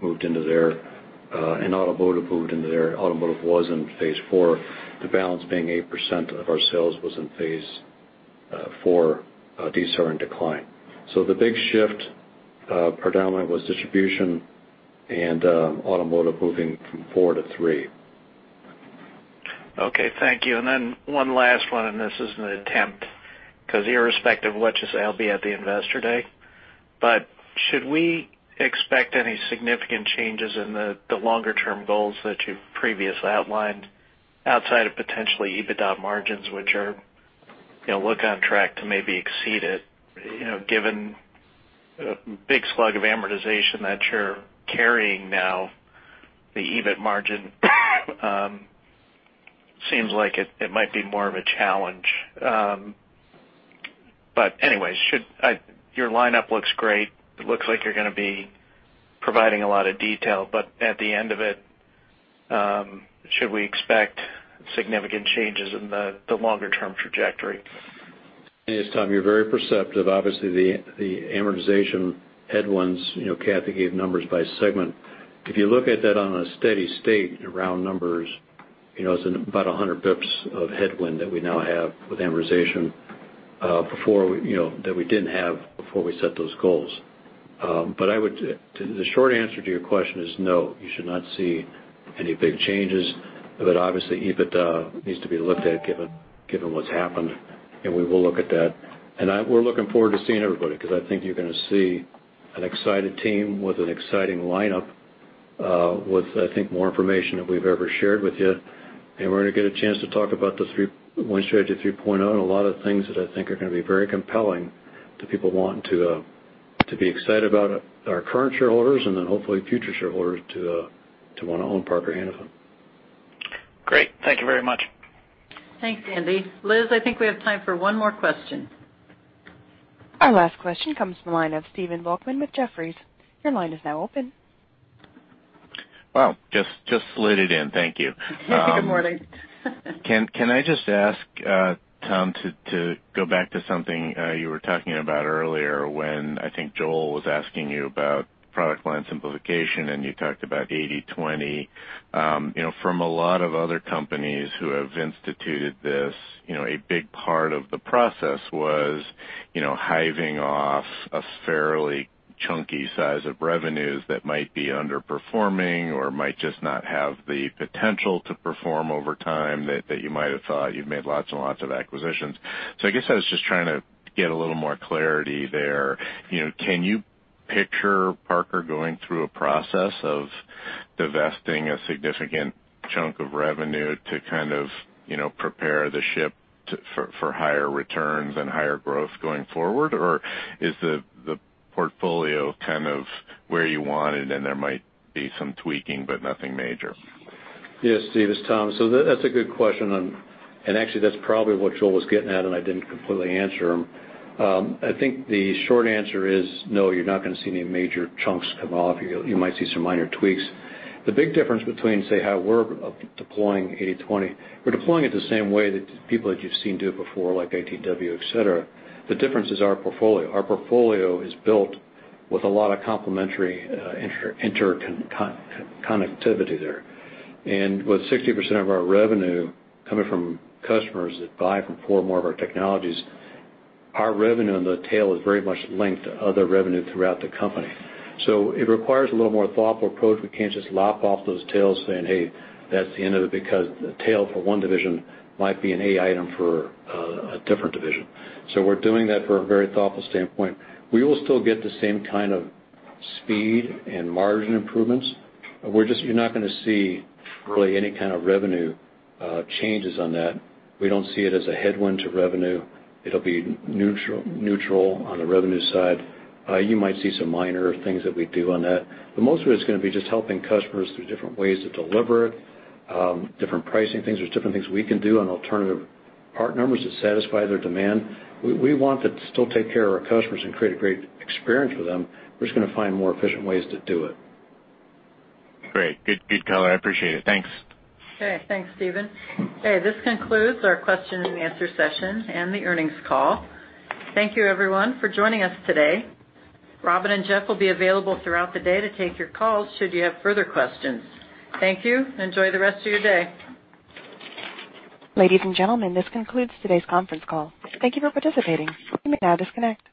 moved into there, and automotive moved into there. Automotive was in phase IV. The balance being 8% of our sales was in phase IV, decelerating decline. The big shift predominantly was distribution and automotive moving from four to three. Okay, thank you. One last one, this is an attempt, because irrespective of what you say, I'll be at the Investor Day. Should we expect any significant changes in the longer-term goals that you've previously outlined outside of potentially EBITDA margins, which look on track to maybe exceed it? Given a big slug of amortization that you're carrying now, the EBIT margin seems like it might be more of a challenge. Your lineup looks great. It looks like you're going to be providing a lot of detail. At the end of it, should we expect significant changes in the longer-term trajectory? Yes, Tom, you're very perceptive. Obviously, the amortization headwinds, Cathy gave numbers by segment. If you look at that on a steady state in round numbers, it's about 100 basis points of headwind that we now have with amortization, that we didn't have before we set those goals. The short answer to your question is no, you should not see any big changes. Obviously, EBITDA needs to be looked at given what's happened, and we will look at that. We're looking forward to seeing everybody, because I think you're going to see an excited team with an exciting lineup with, I think, more information than we've ever shared with you. We're going to get a chance to talk about the Win Strategy 3.0 and a lot of things that I think are going to be very compelling to people wanting to be excited about our current shareholders and then hopefully future shareholders to want to own Parker Hannifin Corporation. Great. Thank you very much. Thanks, Andy. Liz, I think we have time for one more question. Our last question comes from the line of Stephen Volkmann with Jefferies. Your line is now open. Wow. Just slid it in. Thank you. Good morning. Can I just ask Tom to go back to something you were talking about earlier when I think Joel was asking you about product line simplification, and you talked about 80/20. From a lot of other companies who have instituted this, a big part of the process was hiving off a fairly chunky size of revenues that might be underperforming or might just not have the potential to perform over time that you might have thought. You've made lots and lots of acquisitions. I guess I was just trying to get a little more clarity there. Can you picture Parker going through a process of divesting a significant chunk of revenue to kind of prepare the ship for higher returns and higher growth going forward? Or is the portfolio kind of where you want it and there might be some tweaking but nothing major? Yes, Stephen, it's Tom. That's a good question, and actually, that's probably what Joel was getting at, and I didn't completely answer him. I think the short answer is no, you're not going to see any major chunks come off. You might see some minor tweaks. The big difference between, say, how we're deploying 80/20, we're deploying it the same way that people that you've seen do it before, like Danaher, et cetera. The difference is our portfolio. Our portfolio is built with a lot of complementary interconnectivity there. With 60% of our revenue coming from customers that buy from four or more of our technologies, our revenue on the tail is very much linked to other revenue throughout the company. It requires a little more thoughtful approach. We can't just lop off those tails saying, hey, that's the end of it, because the tail for one division might be an A item for a different division. We're doing that from a very thoughtful standpoint. We will still get the same kind of speed and margin improvements. You're not going to see really any kind of revenue changes on that. We don't see it as a headwind to revenue. It'll be neutral on the revenue side. You might see some minor things that we do on that. Most of it is going to be just helping customers through different ways to deliver it, different pricing things. There's different things we can do on alternative part numbers to satisfy their demand. We want to still take care of our customers and create a great experience for them. We're just going to find more efficient ways to do it. Great. Good color. I appreciate it. Thanks. Okay. Thanks, Stephen. Okay, this concludes our question and answer session and the earnings call. Thank you everyone for joining us today. Robin and Jeff will be available throughout the day to take your calls should you have further questions. Thank you and enjoy the rest of your day. Ladies and gentlemen, this concludes today's conference call. Thank you for participating. You may now disconnect.